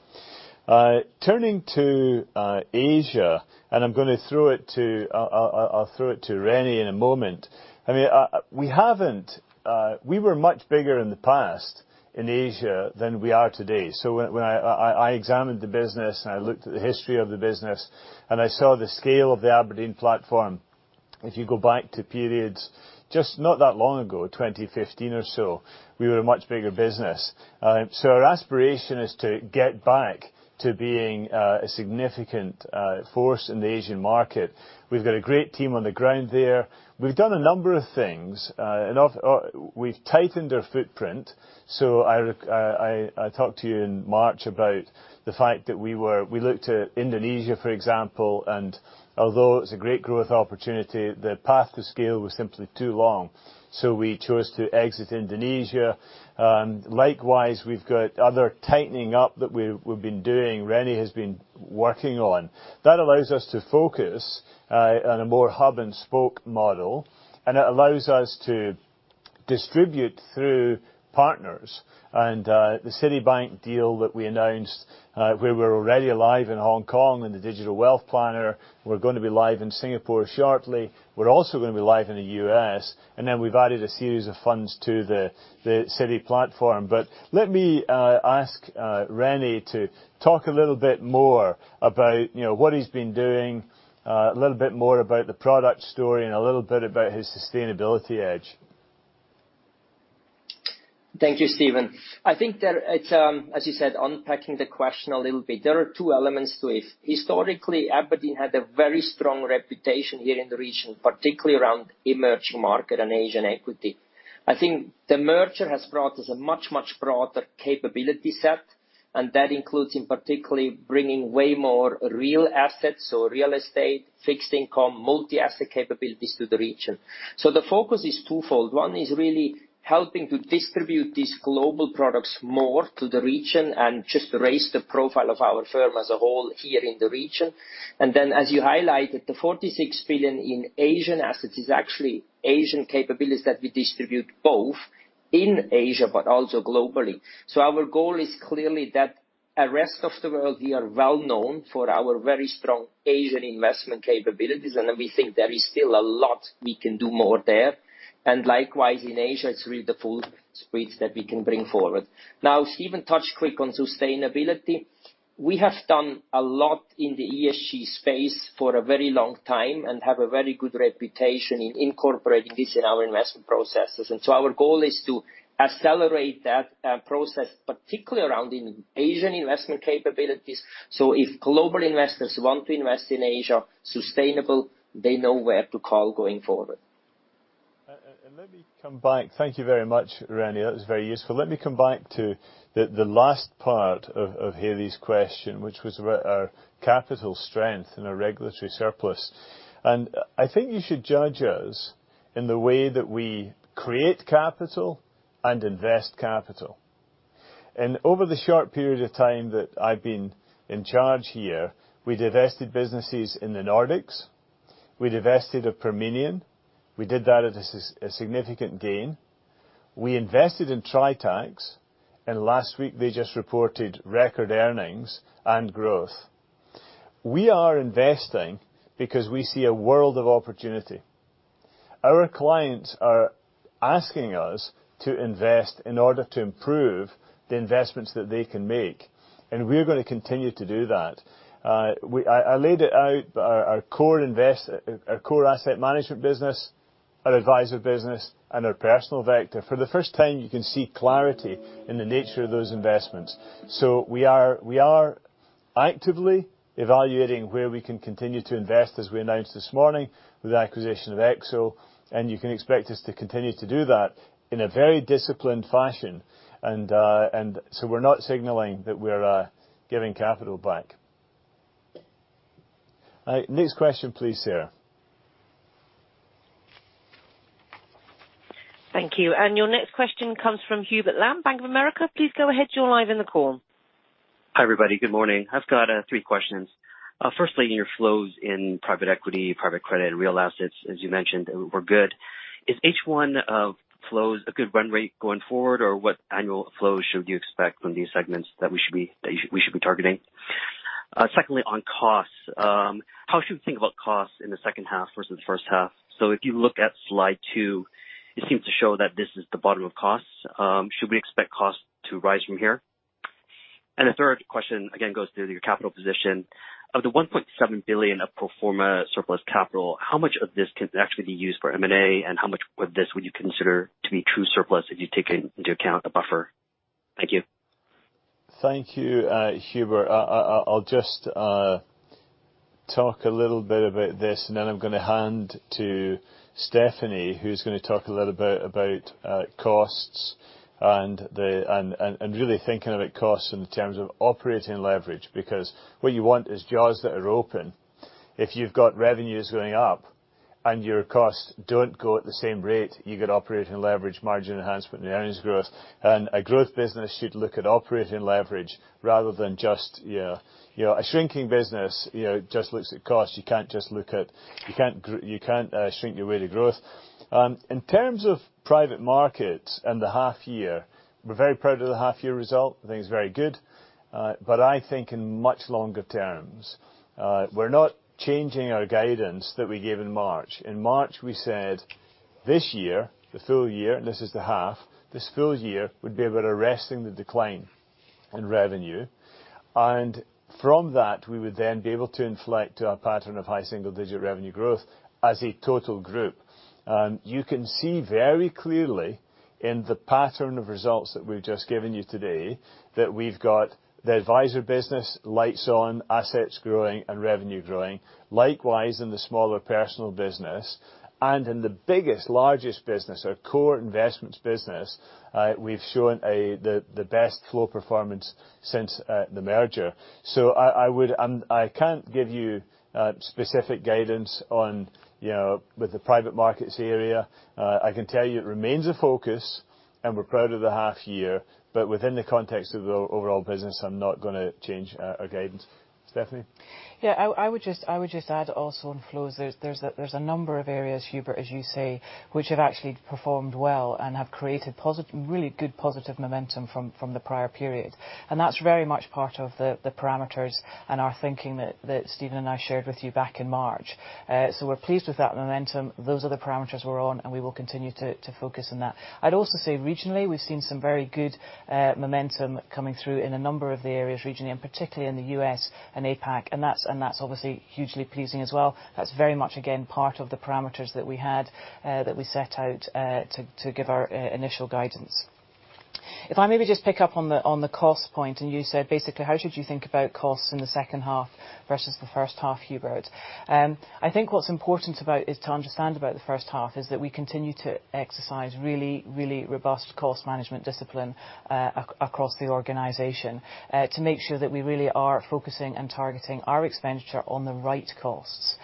Turning to Asia, I will throw it to René in a moment. We were much bigger in the past in Asia than we are today. When I examined the business and I looked at the history of the business and I saw the scale of the Aberdeen platform. If you go back to periods just not that long ago, 2015 or so, we were a much bigger business. Our aspiration is to get back to being a significant force in the Asian market. We've got a great team on the ground there. We've done a number of things. We've tightened our footprint. I talked to you in March about the fact that we looked at Indonesia, for example, and although it's a great growth opportunity, the path to scale was simply too long. We chose to exit Indonesia. Likewise, we've got other tightening up that we've been doing, René has been working on. That allows us to focus on a more hub and spoke model, and it allows us to distribute through partners. The Citibank deal that we announced, where we're already live in Hong Kong and the digital wealth planner, we're going to be live in Singapore shortly. We're also going to be live in the U.S., and then we've added a series of funds to the Citi platform. Let me ask René to talk a little bit more about what he's been doing, a little bit more about the product story, and a little bit about his sustainability edge. Thank you, Stephen. I think that it's, as you said, unpacking the question a little bit. There are two elements to it. Historically, Aberdeen had a very strong reputation here in the region, particularly around emerging market and Asian equity. I think the merger has brought us a much, much broader capability set, and that includes in particularly bringing way more real assets, so real estate, fixed income, multi-asset capabilities to the region. The focus is twofold. One is really helping to distribute these global products more to the region and just raise the profile of our firm as a whole here in the region. Then, as you highlighted, the 46 billion in Asian assets is actually Asian capabilities that we distribute both in Asia but also globally. Our goal is clearly that at rest of the world, we are well known for our very strong Asian investment capabilities. We think there is still a lot we can do more there. Likewise, in Asia, it's really the full suite that we can bring forward. Stephen touched quick on sustainability. We have done a lot in the ESG space for a very long time and have a very good reputation in incorporating this in our investment processes. Our goal is to accelerate that process, particularly around in Asian investment capabilities. If global investors want to invest in Asia sustainable, they know where to call going forward. Let me come back. Thank you very much, René. That was very useful. Let me come back to the last part of Haley's question, which was about our capital strength and our regulatory surplus. I think you should judge us in the way that we create capital and invest capital. Over the short period of time that I've been in charge here, we divested businesses in the Nordics. We divested of Parmenion. We did that at a significant gain. We invested in Tritax, and last week they just reported record earnings and growth. We are investing because we see a world of opportunity. Our clients are asking us to invest in order to improve the investments that they can make, and we're going to continue to do that. I laid it out, our core asset management business, our Aberdeen Adviser business, and our Personal vector. For the first time, you can see clarity in the nature of those investments. We are actively evaluating where we can continue to invest, as we announced this morning with the acquisition of Exo, you can expect us to continue to do that in a very disciplined fashion. We're not signaling that we're giving capital back. Next question, please, Sarah. Thank you. Your next question comes from Hubert Lam, Bank of America. Please go ahead. You're live in the call. Hi, everybody. Good morning. I've got three questions. Firstly, your flows in private equity, private credit, and real assets, as you mentioned, were good. Is H1 of flows a good run rate going forward, or what annual flows should you expect from these segments that we should be targeting? Secondly, on costs, how should we think about costs in the second half versus the first half? If you look at slide two, it seems to show that this is the bottom of costs. Should we expect costs to rise from here? The third question, again, goes to your capital position. Of the 1.7 billion of pro forma surplus capital, how much of this can actually be used for M&A, and how much of this would you consider to be true surplus if you take into account the buffer? Thank you. Thank you, Hubert. I'll just talk a little bit about this, and then I'm going to hand to Stephanie, who's going to talk a little bit about costs and really thinking about costs in terms of operating leverage, because what you want is jaws that are open. If you've got revenues going up and your costs don't go at the same rate, you get operating leverage, margin enhancement, and earnings growth. A growth business should look at operating leverage rather than just a shrinking business just looks at cost. You can't shrink your way to growth. In terms of private markets and the half year, we're very proud of the half year result. I think it's very good. I think in much longer terms, we're not changing our guidance that we gave in March. In March, we said this year, the full year, and this is the half, this full year would be about arresting the decline in revenue. From that, we would then be able to inflect our pattern of high single-digit revenue growth as a total group. You can see very clearly in the pattern of results that we've just given you today that we've got the Adviser business lights on, assets growing, and revenue growing. Likewise, in the smaller personal business and in the biggest, largest business, our core investments business, we've shown the best flow performance since the merger. I can't give you specific guidance with the private markets area. I can tell you it remains a focus, and we're proud of the half year, but within the context of the overall business, I'm not going to change our guidance. Stephanie? I would just add also on flows, there's a number of areas, Hubert, as you say, which have actually performed well and have created really good positive momentum from the prior period. That's very much part of the parameters and our thinking that Stephen and I shared with you back in March. We're pleased with that momentum. Those are the parameters we're on, and we will continue to focus on that. I'd also say regionally, we've seen some very good momentum coming through in a number of the areas regionally, and particularly in the U.S. and APAC, and that's obviously hugely pleasing as well. That's very much, again, part of the parameters that we had, that we set out to give our initial guidance. If I maybe just pick up on the cost point, and you said basically how should you think about costs in the second half versus the first half, Hubert. I think what's important to understand about the first half is that we continue to exercise really, really robust cost management discipline across the organization to make sure that we really are focusing and targeting our expenditure on the right costs.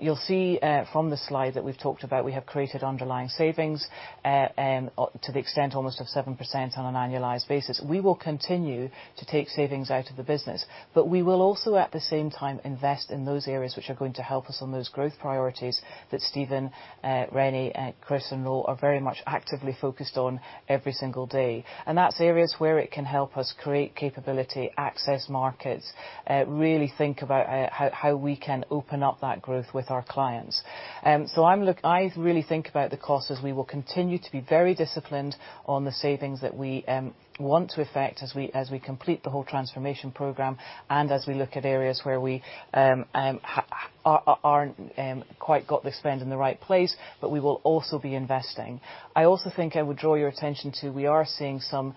You'll see from the slide that we've talked about, we have created underlying savings to the extent almost of 7% on an annualized basis. We will continue to take savings out of the business. We will also, at the same time, invest in those areas which are going to help us on those growth priorities that Stephen, René, Chris, and Laura are very much actively focused on every single day. That's areas where it can help us create capability, access markets, really think about how we can open up that growth with our clients. I really think about the costs as we will continue to be very disciplined on the savings that we want to affect as we complete the whole transformation program, and as we look at areas where we aren't quite got the spend in the right place, but we will also be investing. I also think I would draw your attention to, we are seeing some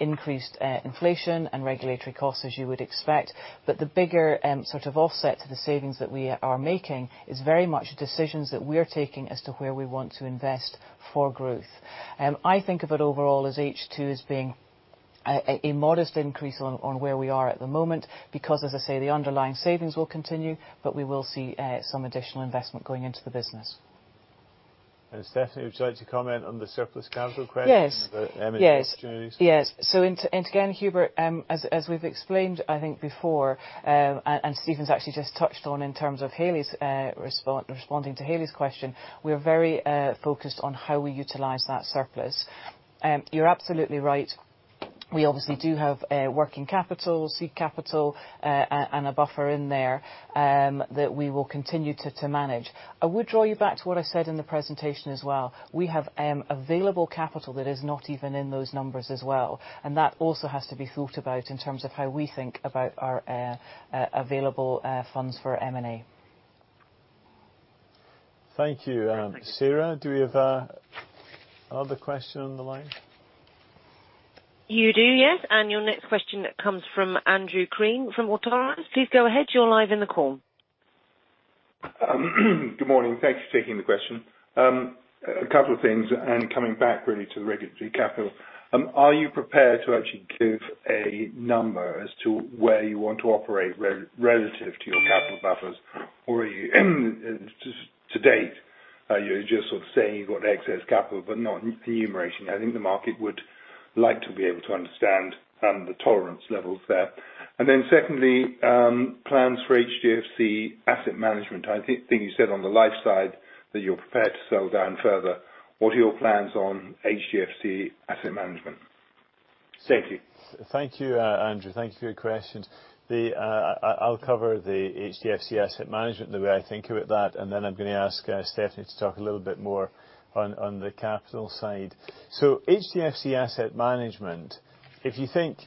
increased inflation and regulatory costs as you would expect. The bigger sort of offset to the savings that we are making is very much the decisions that we're taking as to where we want to invest for growth. I think of it overall as H2 as being a modest increase on where we are at the moment, because as I say, the underlying savings will continue, but we will see some additional investment going into the business. Stephanie Bruce, would you like to comment on the surplus capital question about M&A opportunities? Yes. Again, Hubert, as we have explained I think before, and Stephen's actually just touched on in terms of responding to Haley's question, we are very focused on how we utilize that surplus. You are absolutely right. We obviously do have working capital, seed capital, and a buffer in there that we will continue to manage. I would draw you back to what I said in the presentation as well. We have available capital that is not even in those numbers as well, and that also has to be thought about in terms of how we think about our available funds for M&A. Thank you. Sarah, do we have another question on the line? You do, yes. Your next question comes from Andrew Crean from Autonomous. Please go ahead. You're live in the call. Good morning. Thanks for taking the question. A couple of things, coming back really to regulatory capital. Are you prepared to actually give a number as to where you want to operate relative to your capital buffers? Are you to date, you're just sort of saying you've got excess capital, but not enumerating. I think the market would like to be able to understand the tolerance levels there. Secondly, plans for HDFC Asset Management. I think you said on the life side that you're prepared to sell down further. What are your plans on HDFC Asset Management? Thank you. Thank you, Andrew Crean. Thank you for your questions. I'll cover the HDFC Asset Management and the way I think about that, and then I'm going to ask Stephanie to talk a little bit more on the capital side. HDFC Asset Management, if you think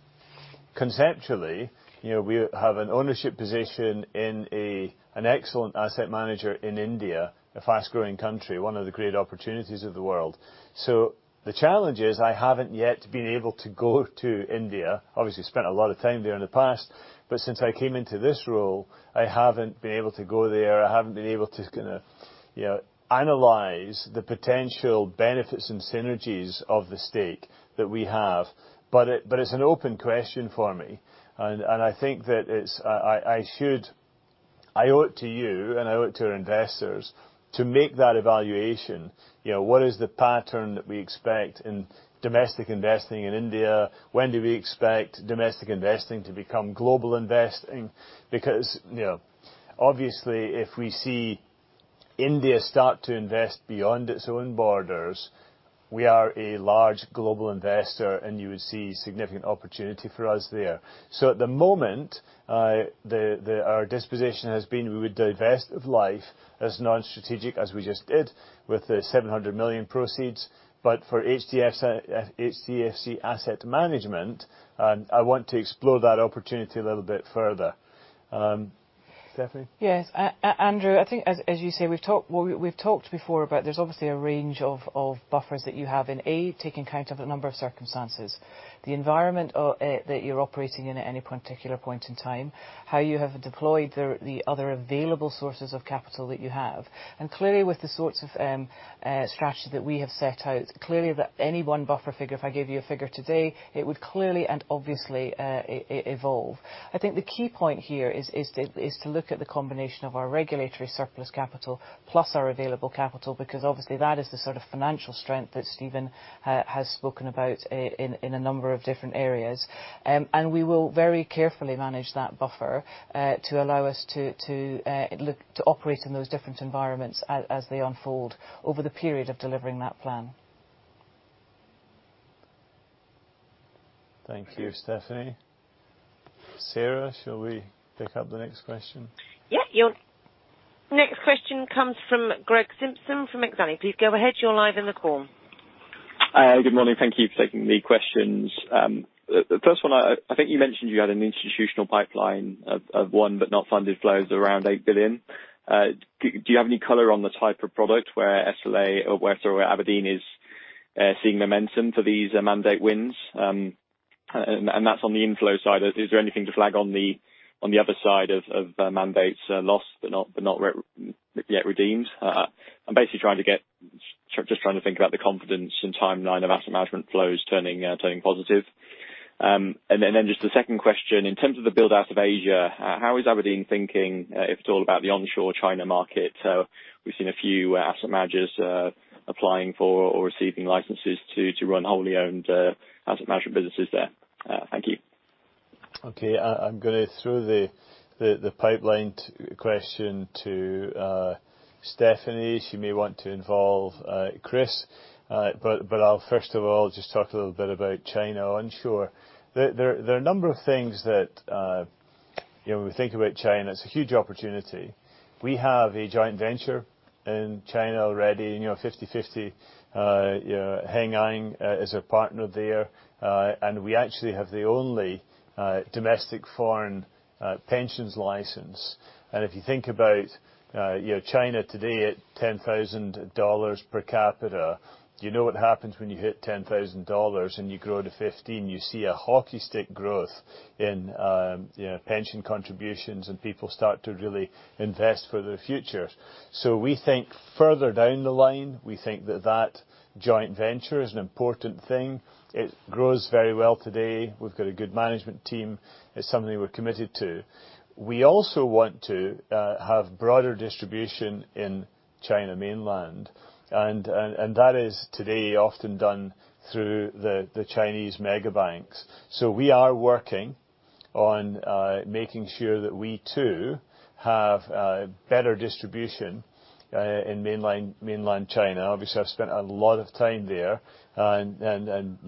conceptually, we have an ownership position in an excellent asset manager in India, a fast-growing country, one of the great opportunities of the world. The challenge is I haven't yet been able to go to India. Obviously, spent a lot of time there in the past. Since I came into this role, I haven't been able to go there. I haven't been able to analyze the potential benefits and synergies of the stake that we have. It's an open question for me. I think that I owe it to you and I owe it to our investors to make that evaluation. What is the pattern that we expect in domestic investing in India? When do we expect domestic investing to become global investing? Obviously, if we see India start to invest beyond its own borders, we are a large global investor, and you would see significant opportunity for us there. At the moment, our disposition has been we would divest of life as non-strategic as we just did with the 700 million proceeds. For HDFC Asset Management, I want to explore that opportunity a little bit further. Stephanie? Yes. Andrew, I think as you say, we've talked before about there's obviously a range of buffers that you have in, A, taking account of a number of circumstances. The environment that you're operating in at any particular point in time, how you have deployed the other available sources of capital that you have. Clearly, with the sorts of strategy that we have set out, clearly any one buffer figure, if I give you a figure today, it would clearly and obviously evolve. I think the key point here is to look at the combination of our regulatory surplus capital plus our available capital, because obviously that is the sort of financial strength that Stephen has spoken about in a number of different areas. We will very carefully manage that buffer to allow us to operate in those different environments as they unfold over the period of delivering that plan. Thank you, Stephanie. Sarah, shall we pick up the next question? Yeah. Your next question comes from Greg Simpson from Exane. Please go ahead. You're live in the call. Good morning. Thank you for taking the questions. The first one, I think you mentioned you had an institutional pipeline of one but not funded flows around 8 billion. Do you have any color on the type of product where SLA or where Aberdeen is seeing momentum for these mandate wins? That's on the inflow side. Is there anything to flag on the other side of mandates lost but not yet redeemed? I'm basically just trying to think about the confidence and timeline of asset management flows turning positive. Then just a second question. In terms of the build-out of Asia, how is Aberdeen thinking, if at all, about the onshore China market? We've seen a few asset managers applying for or receiving licenses to run wholly owned asset management businesses there. Thank you. Okay. I'm going to throw the pipeline question to Stephanie. She may want to involve Chris. I'll first of all just talk a little bit about China onshore. There are a number of things that when we think about China, it's a huge opportunity. We have a joint venture in China already, 50/50. Heng An is a partner there. We actually have the only domestic foreign pensions license. If you think about China today at $10,000 per capita, you know what happens when you hit $10,000 and you grow to 15. You see a hockey stick growth in pension contributions and people start to really invest for the future. We think further down the line, we think that that joint venture is an important thing. It grows very well today. We've got a good management team. It's something we're committed to. We also want to have broader distribution in China mainland, that is today often done through the Chinese mega banks. We are working on making sure that we too have better distribution in mainland China. Obviously, I've spent a lot of time there, and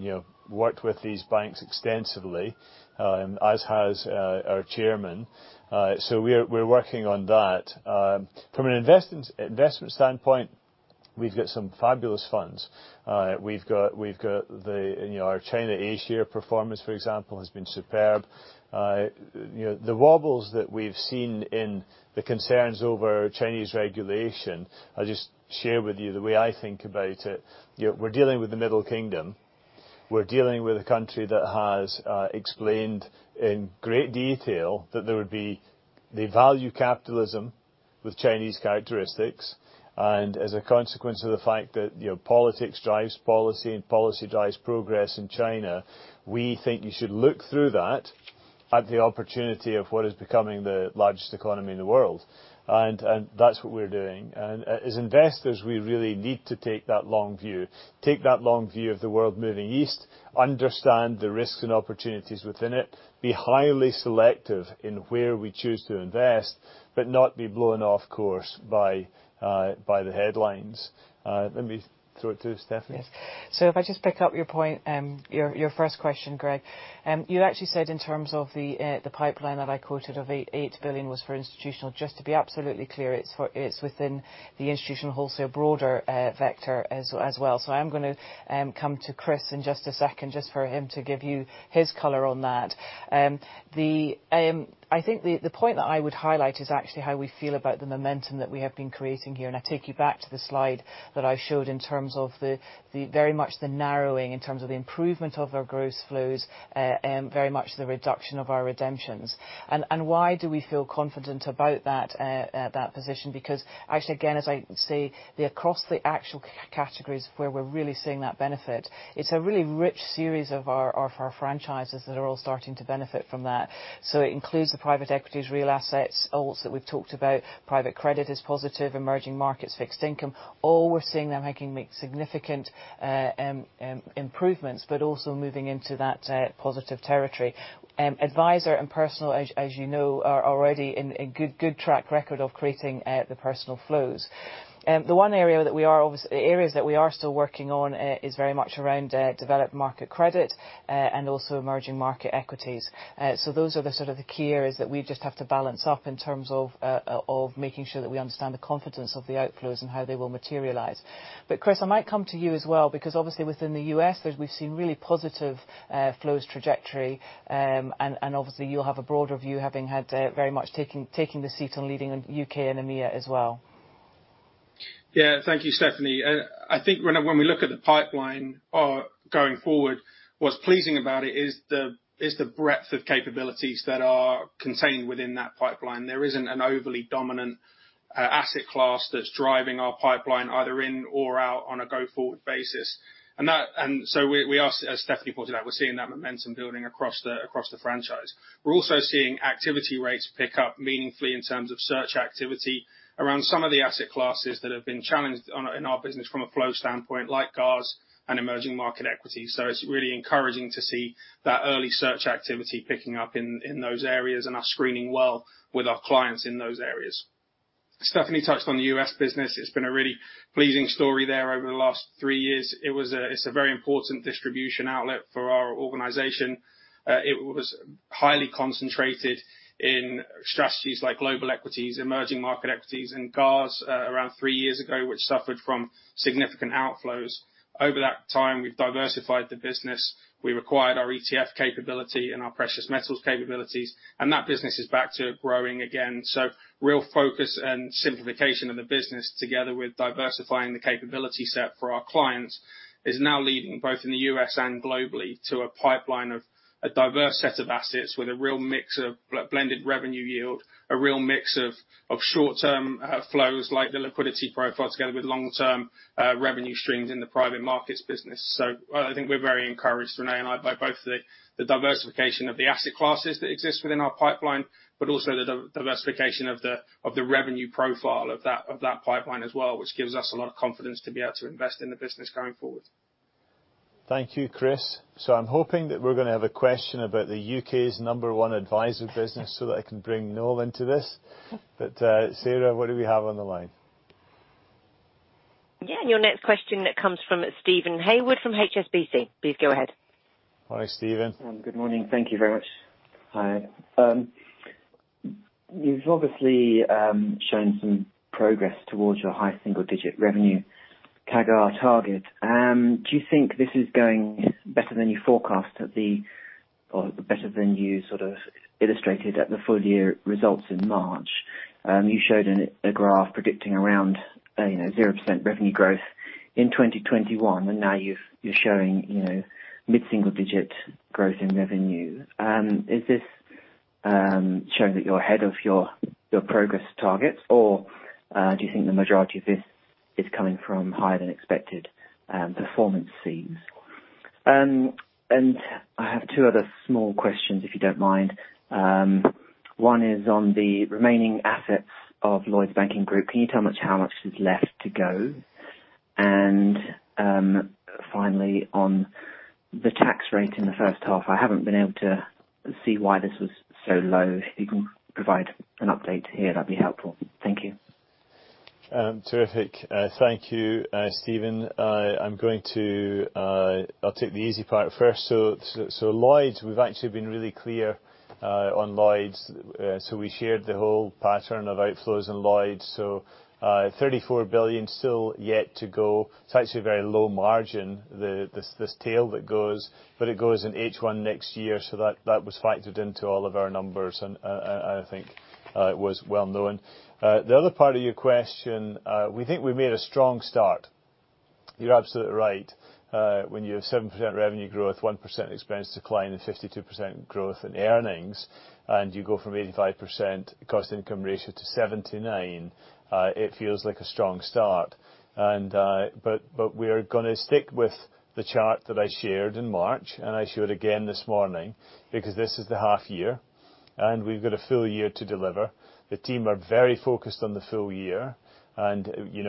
worked with these banks extensively, as has our Chairman. We're working on that. From an investment standpoint, we've got some fabulous funds. Our China A-share performance, for example, has been superb. The wobbles that we've seen in the concerns over Chinese regulation, I'll just share with you the way I think about it. We're dealing with the Middle Kingdom. We're dealing with a country that has explained in great detail that there would be the value capitalism with Chinese characteristics. As a consequence of the fact that politics drives policy and policy drives progress in China, we think you should look through that at the opportunity of what is becoming the largest economy in the world. That's what we're doing. As investors, we really need to take that long view. Take that long view of the world moving east, understand the risks and opportunities within it, be highly selective in where we choose to invest, but not be blown off course by the headlines. Let me throw it to Stephanie. Yes. If I just pick up your point, your first question, Greg. You actually said in terms of the pipeline that I quoted of 8 billion was for institutional. Just to be absolutely clear, it's within the institutional wholesale broader vector as well. I am going to come to Chris in just a second, just for him to give you his color on that. I think the point that I would highlight is actually how we feel about the momentum that we have been creating here, and I take you back to the slide that I showed in terms of very much the narrowing in terms of the improvement of our gross flows and very much the reduction of our redemptions. Why do we feel confident about that position? Actually, again, as I say, across the actual categories where we're really seeing that benefit, it's a really rich series of our franchises that are all starting to benefit from that. It includes the private equities, real assets, ALTs that we've talked about. Private credit is positive, emerging markets, fixed income. All we're seeing now making significant improvements, but also moving into that positive territory. Adviser and Personal, as you know, are already in good track record of creating the personal flows. The one areas that we are still working on is very much around developed market credit, and also emerging market equities. Those are the sort of the key areas that we just have to balance up in terms of making sure that we understand the confidence of the outflows and how they will materialize. Chris, I might come to you as well, because obviously within the U.S., we've seen really positive flows trajectory, and obviously you'll have a broader view having had very much taking the seat on leading UK and EMEA as well. Thank you, Stephanie Bruce. I think when we look at the pipeline going forward, what's pleasing about it is the breadth of capabilities that are contained within that pipeline. There isn't an overly dominant asset class that's driving our pipeline either in or out on a go-forward basis. We are, as Stephanie Bruce pointed out, we're seeing that momentum building across the franchise. We're also seeing activity rates pick up meaningfully in terms of search activity around some of the asset classes that have been challenged in our business from a flow standpoint, like GARS and emerging market equities. It's really encouraging to see that early search activity picking up in those areas and us screening well with our clients in those areas. Stephanie Bruce touched on the U.S. business. It's been a really pleasing story there over the last three years. It's a very important distribution outlet for our organization. It was highly concentrated in strategies like global equities, emerging market equities, and GARS around 3 years ago, which suffered from significant outflows. Over that time, we've diversified the business. We've acquired our ETF capability and our precious metals capabilities, and that business is back to growing again. Real focus and simplification of the business, together with diversifying the capability set for our clients, is now leading both in the U.S. and globally to a pipeline of a diverse set of assets with a real mix of blended revenue yield, a real mix of short-term flows, like the liquidity profile together with long-term revenue streams in the private markets business. I think we're very encouraged, René and I, by both the diversification of the asset classes that exist within our pipeline, but also the diversification of the revenue profile of that pipeline as well, which gives us a lot of confidence to be able to invest in the business going forward. Thank you, Chris. I'm hoping that we're going to have a question about the U.K.'s number one Advisery business so that I can bring Noel into this. Sarah, what do we have on the line? Yeah. Your next question comes from Steven Haywood from HSBC. Please go ahead. Hi, Steven. Good morning. Thank you very much. Hi. You've obviously shown some progress towards your high single-digit revenue CAGR target. Do you think this is going better than you forecast or better than you sort of illustrated at the full-year results in March? You showed a graph predicting around 0% revenue growth in 2021. Now you're showing mid-single-digit growth in revenue. Is this showing that you're ahead of your progress targets, or do you think the majority of this is coming from higher-than-expected performance fees? I have two other small questions, if you don't mind. One is on the remaining assets of Lloyds Banking Group. Can you tell me how much is left to go? Finally, on the tax rate in the first half, I haven't been able to see why this was so low. If you can provide an update here, that'd be helpful. Thank you. Terrific. Thank you, Steven. I'll take the easy part first. Lloyds, we've actually been really clear on Lloyds. We shared the whole pattern of outflows in Lloyds. 34 billion still yet to go. It's actually a very low margin, this tail that goes, but it goes in H1 next year, that was factored into all of our numbers, I think it was well known. The other part of your question, we think we made a strong start. You're absolutely right. When you have 7% revenue growth, 1% expense decline, 52% growth in earnings, you go from 85% cost-income ratio to 79%, it feels like a strong start. We're gonna stick with the chart that I shared in March, I showed again this morning because this is the half year, we've got a full year to deliver. The team are very focused on the full year, and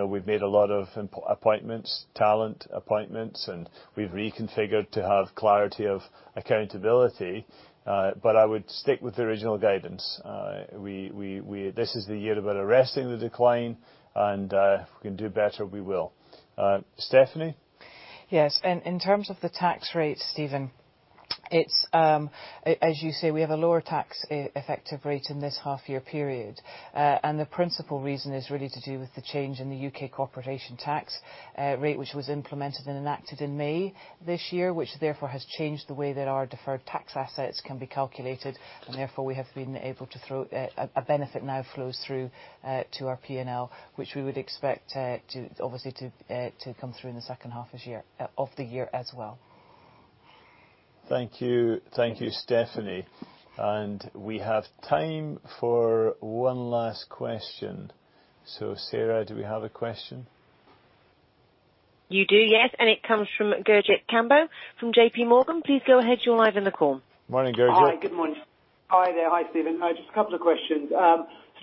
we've made a lot of appointments, talent appointments, and we've reconfigured to have clarity of accountability. I would stick with the original guidance. This is the year about arresting the decline, and if we can do better, we will. Stephanie? Yes. In terms of the tax rate, Steven, as you say, we have a lower tax effective rate in this half-year period. The principal reason is really to do with the change in the U.K. corporation tax rate, which was implemented and enacted in May this year, which therefore has changed the way that our deferred tax assets can be calculated, and therefore we have been able to throw a benefit now flows through to our P&L, which we would expect obviously to come through in the second half of the year as well. Thank you, Stephanie. We have time for one last question. Sarah, do we have a question? You do, yes. It comes from Gurjit Kambo, from JPMorgan. Please go ahead. You are live in the call. Morning, Gurjit. Hi, good morning. Hi there. Hi, Stephen. Just a couple of questions.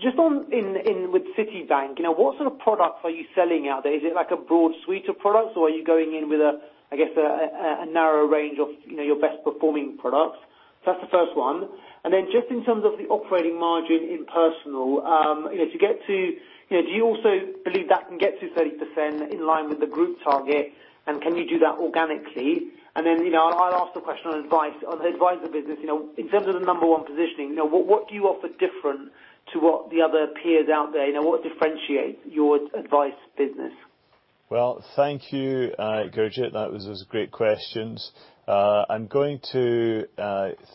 Just with Citibank, what sort of products are you selling out there? Is it like a broad suite of products, or are you going in with a, I guess, a narrower range of your best performing products? That's the first one. Just in terms of the operating margin in personal, do you also believe that can get to 30% in line with the group target, and can you do that organically? I'll ask a question on the Adviser business. In terms of the number 1 positioning, what do you offer different to what the other peers out there? What differentiates your advice business? Well, thank you, Gurjit. Those was great questions. I'm going to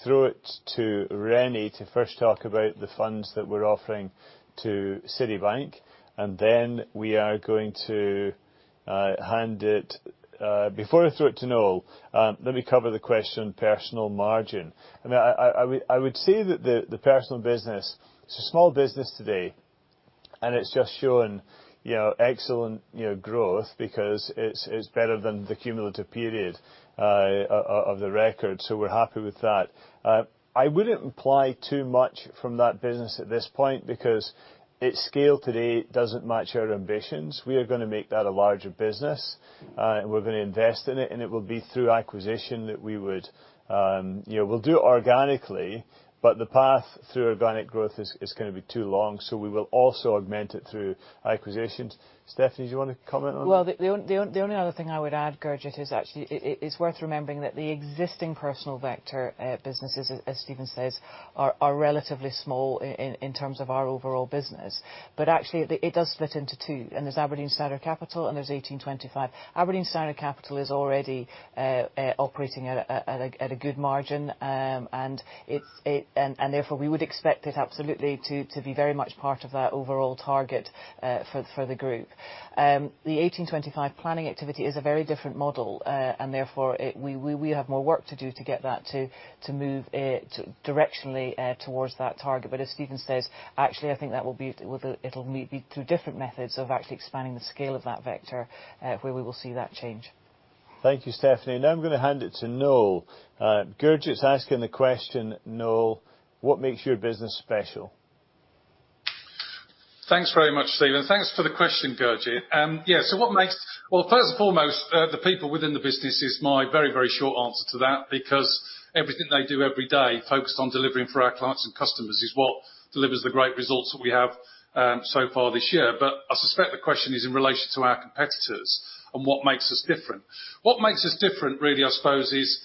throw it to René to first talk about the funds that we're offering to Citibank. Before I throw it to Noel Butwell, let me cover the question, personal margin. I would say that the personal business, it's a small business today. It's just shown excellent growth because it's better than the cumulative period of the record. We're happy with that. I wouldn't imply too much from that business at this point, because its scale today doesn't match our ambitions. We are going to make that a larger business, and we're going to invest in it, and it will be through acquisition. We'll do it organically, but the path through organic growth is going to be too long, so we will also augment it through acquisitions. Stephanie, do you want to comment on that? The only other thing I would add, Gurjit, is actually, it's worth remembering that the existing Personal vector businesses, as Stephen says, are relatively small in terms of our overall business. Actually, it does split into two, and there's Aberdeen Standard Capital and there's 1825. Aberdeen Standard Capital is already operating at a good margin. Therefore, we would expect it absolutely to be very much part of our overall target for the group. The 1825 planning activity is a very different model, and therefore, we have more work to do to get that to move directionally towards that target. As Stephen says, actually, I think it'll be through different methods of actually expanding the scale of that vector, where we will see that change. Thank you, Stephanie. Now I'm going to hand it to Noel. Gurjit's asking the question, Noel, what makes your business special? Thanks very much, Stephen. Thanks for the question, Gurjit. Well, first and foremost, the people within the business is my very short answer to that, because everything they do every day focused on delivering for our clients and customers is what delivers the great results that we have so far this year. I suspect the question is in relation to our competitors and what makes us different. What makes us different, really, I suppose, is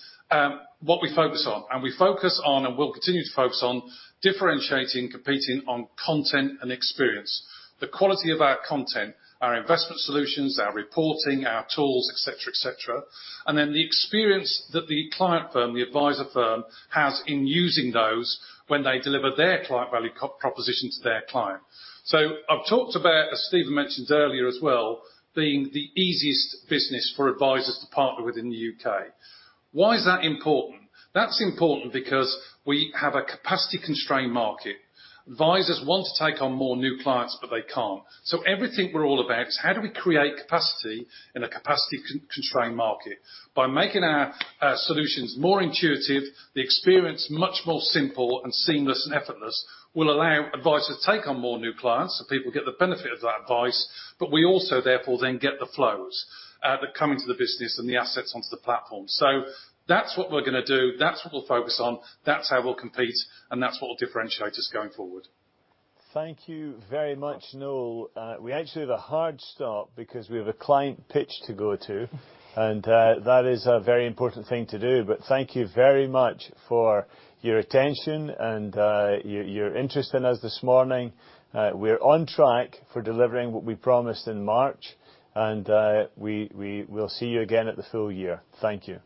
what we focus on. We focus on, and we'll continue to focus on differentiating, competing on content and experience. The quality of our content, our investment solutions, our reporting, our tools, et cetera. The experience that the client firm, the adviser firm, has in using those when they deliver their client value proposition to their client. I've talked about, as Stephen mentioned earlier as well, being the easiest business for advisers to partner with in the U.K. Why is that important? That's important because we have a capacity-constrained market. Advisers want to take on more new clients, but they can't. Everything we're all about is how do we create capacity in a capacity-constrained market? By making our solutions more intuitive, the experience much more simple and seamless and effortless will allow advisers to take on more new clients, so people get the benefit of that advice. We also, therefore, then get the flows that come into the business and the assets onto the platform. That's what we're going to do. That's what we'll focus on. That's how we'll compete, and that's what will differentiate us going forward. Thank you very much, Noel. We actually have a hard stop because we have a client pitch to go to, and that is a very important thing to do. Thank you very much for your attention and your interest in us this morning. We're on track for delivering what we promised in March, and we will see you again at the full year. Thank you.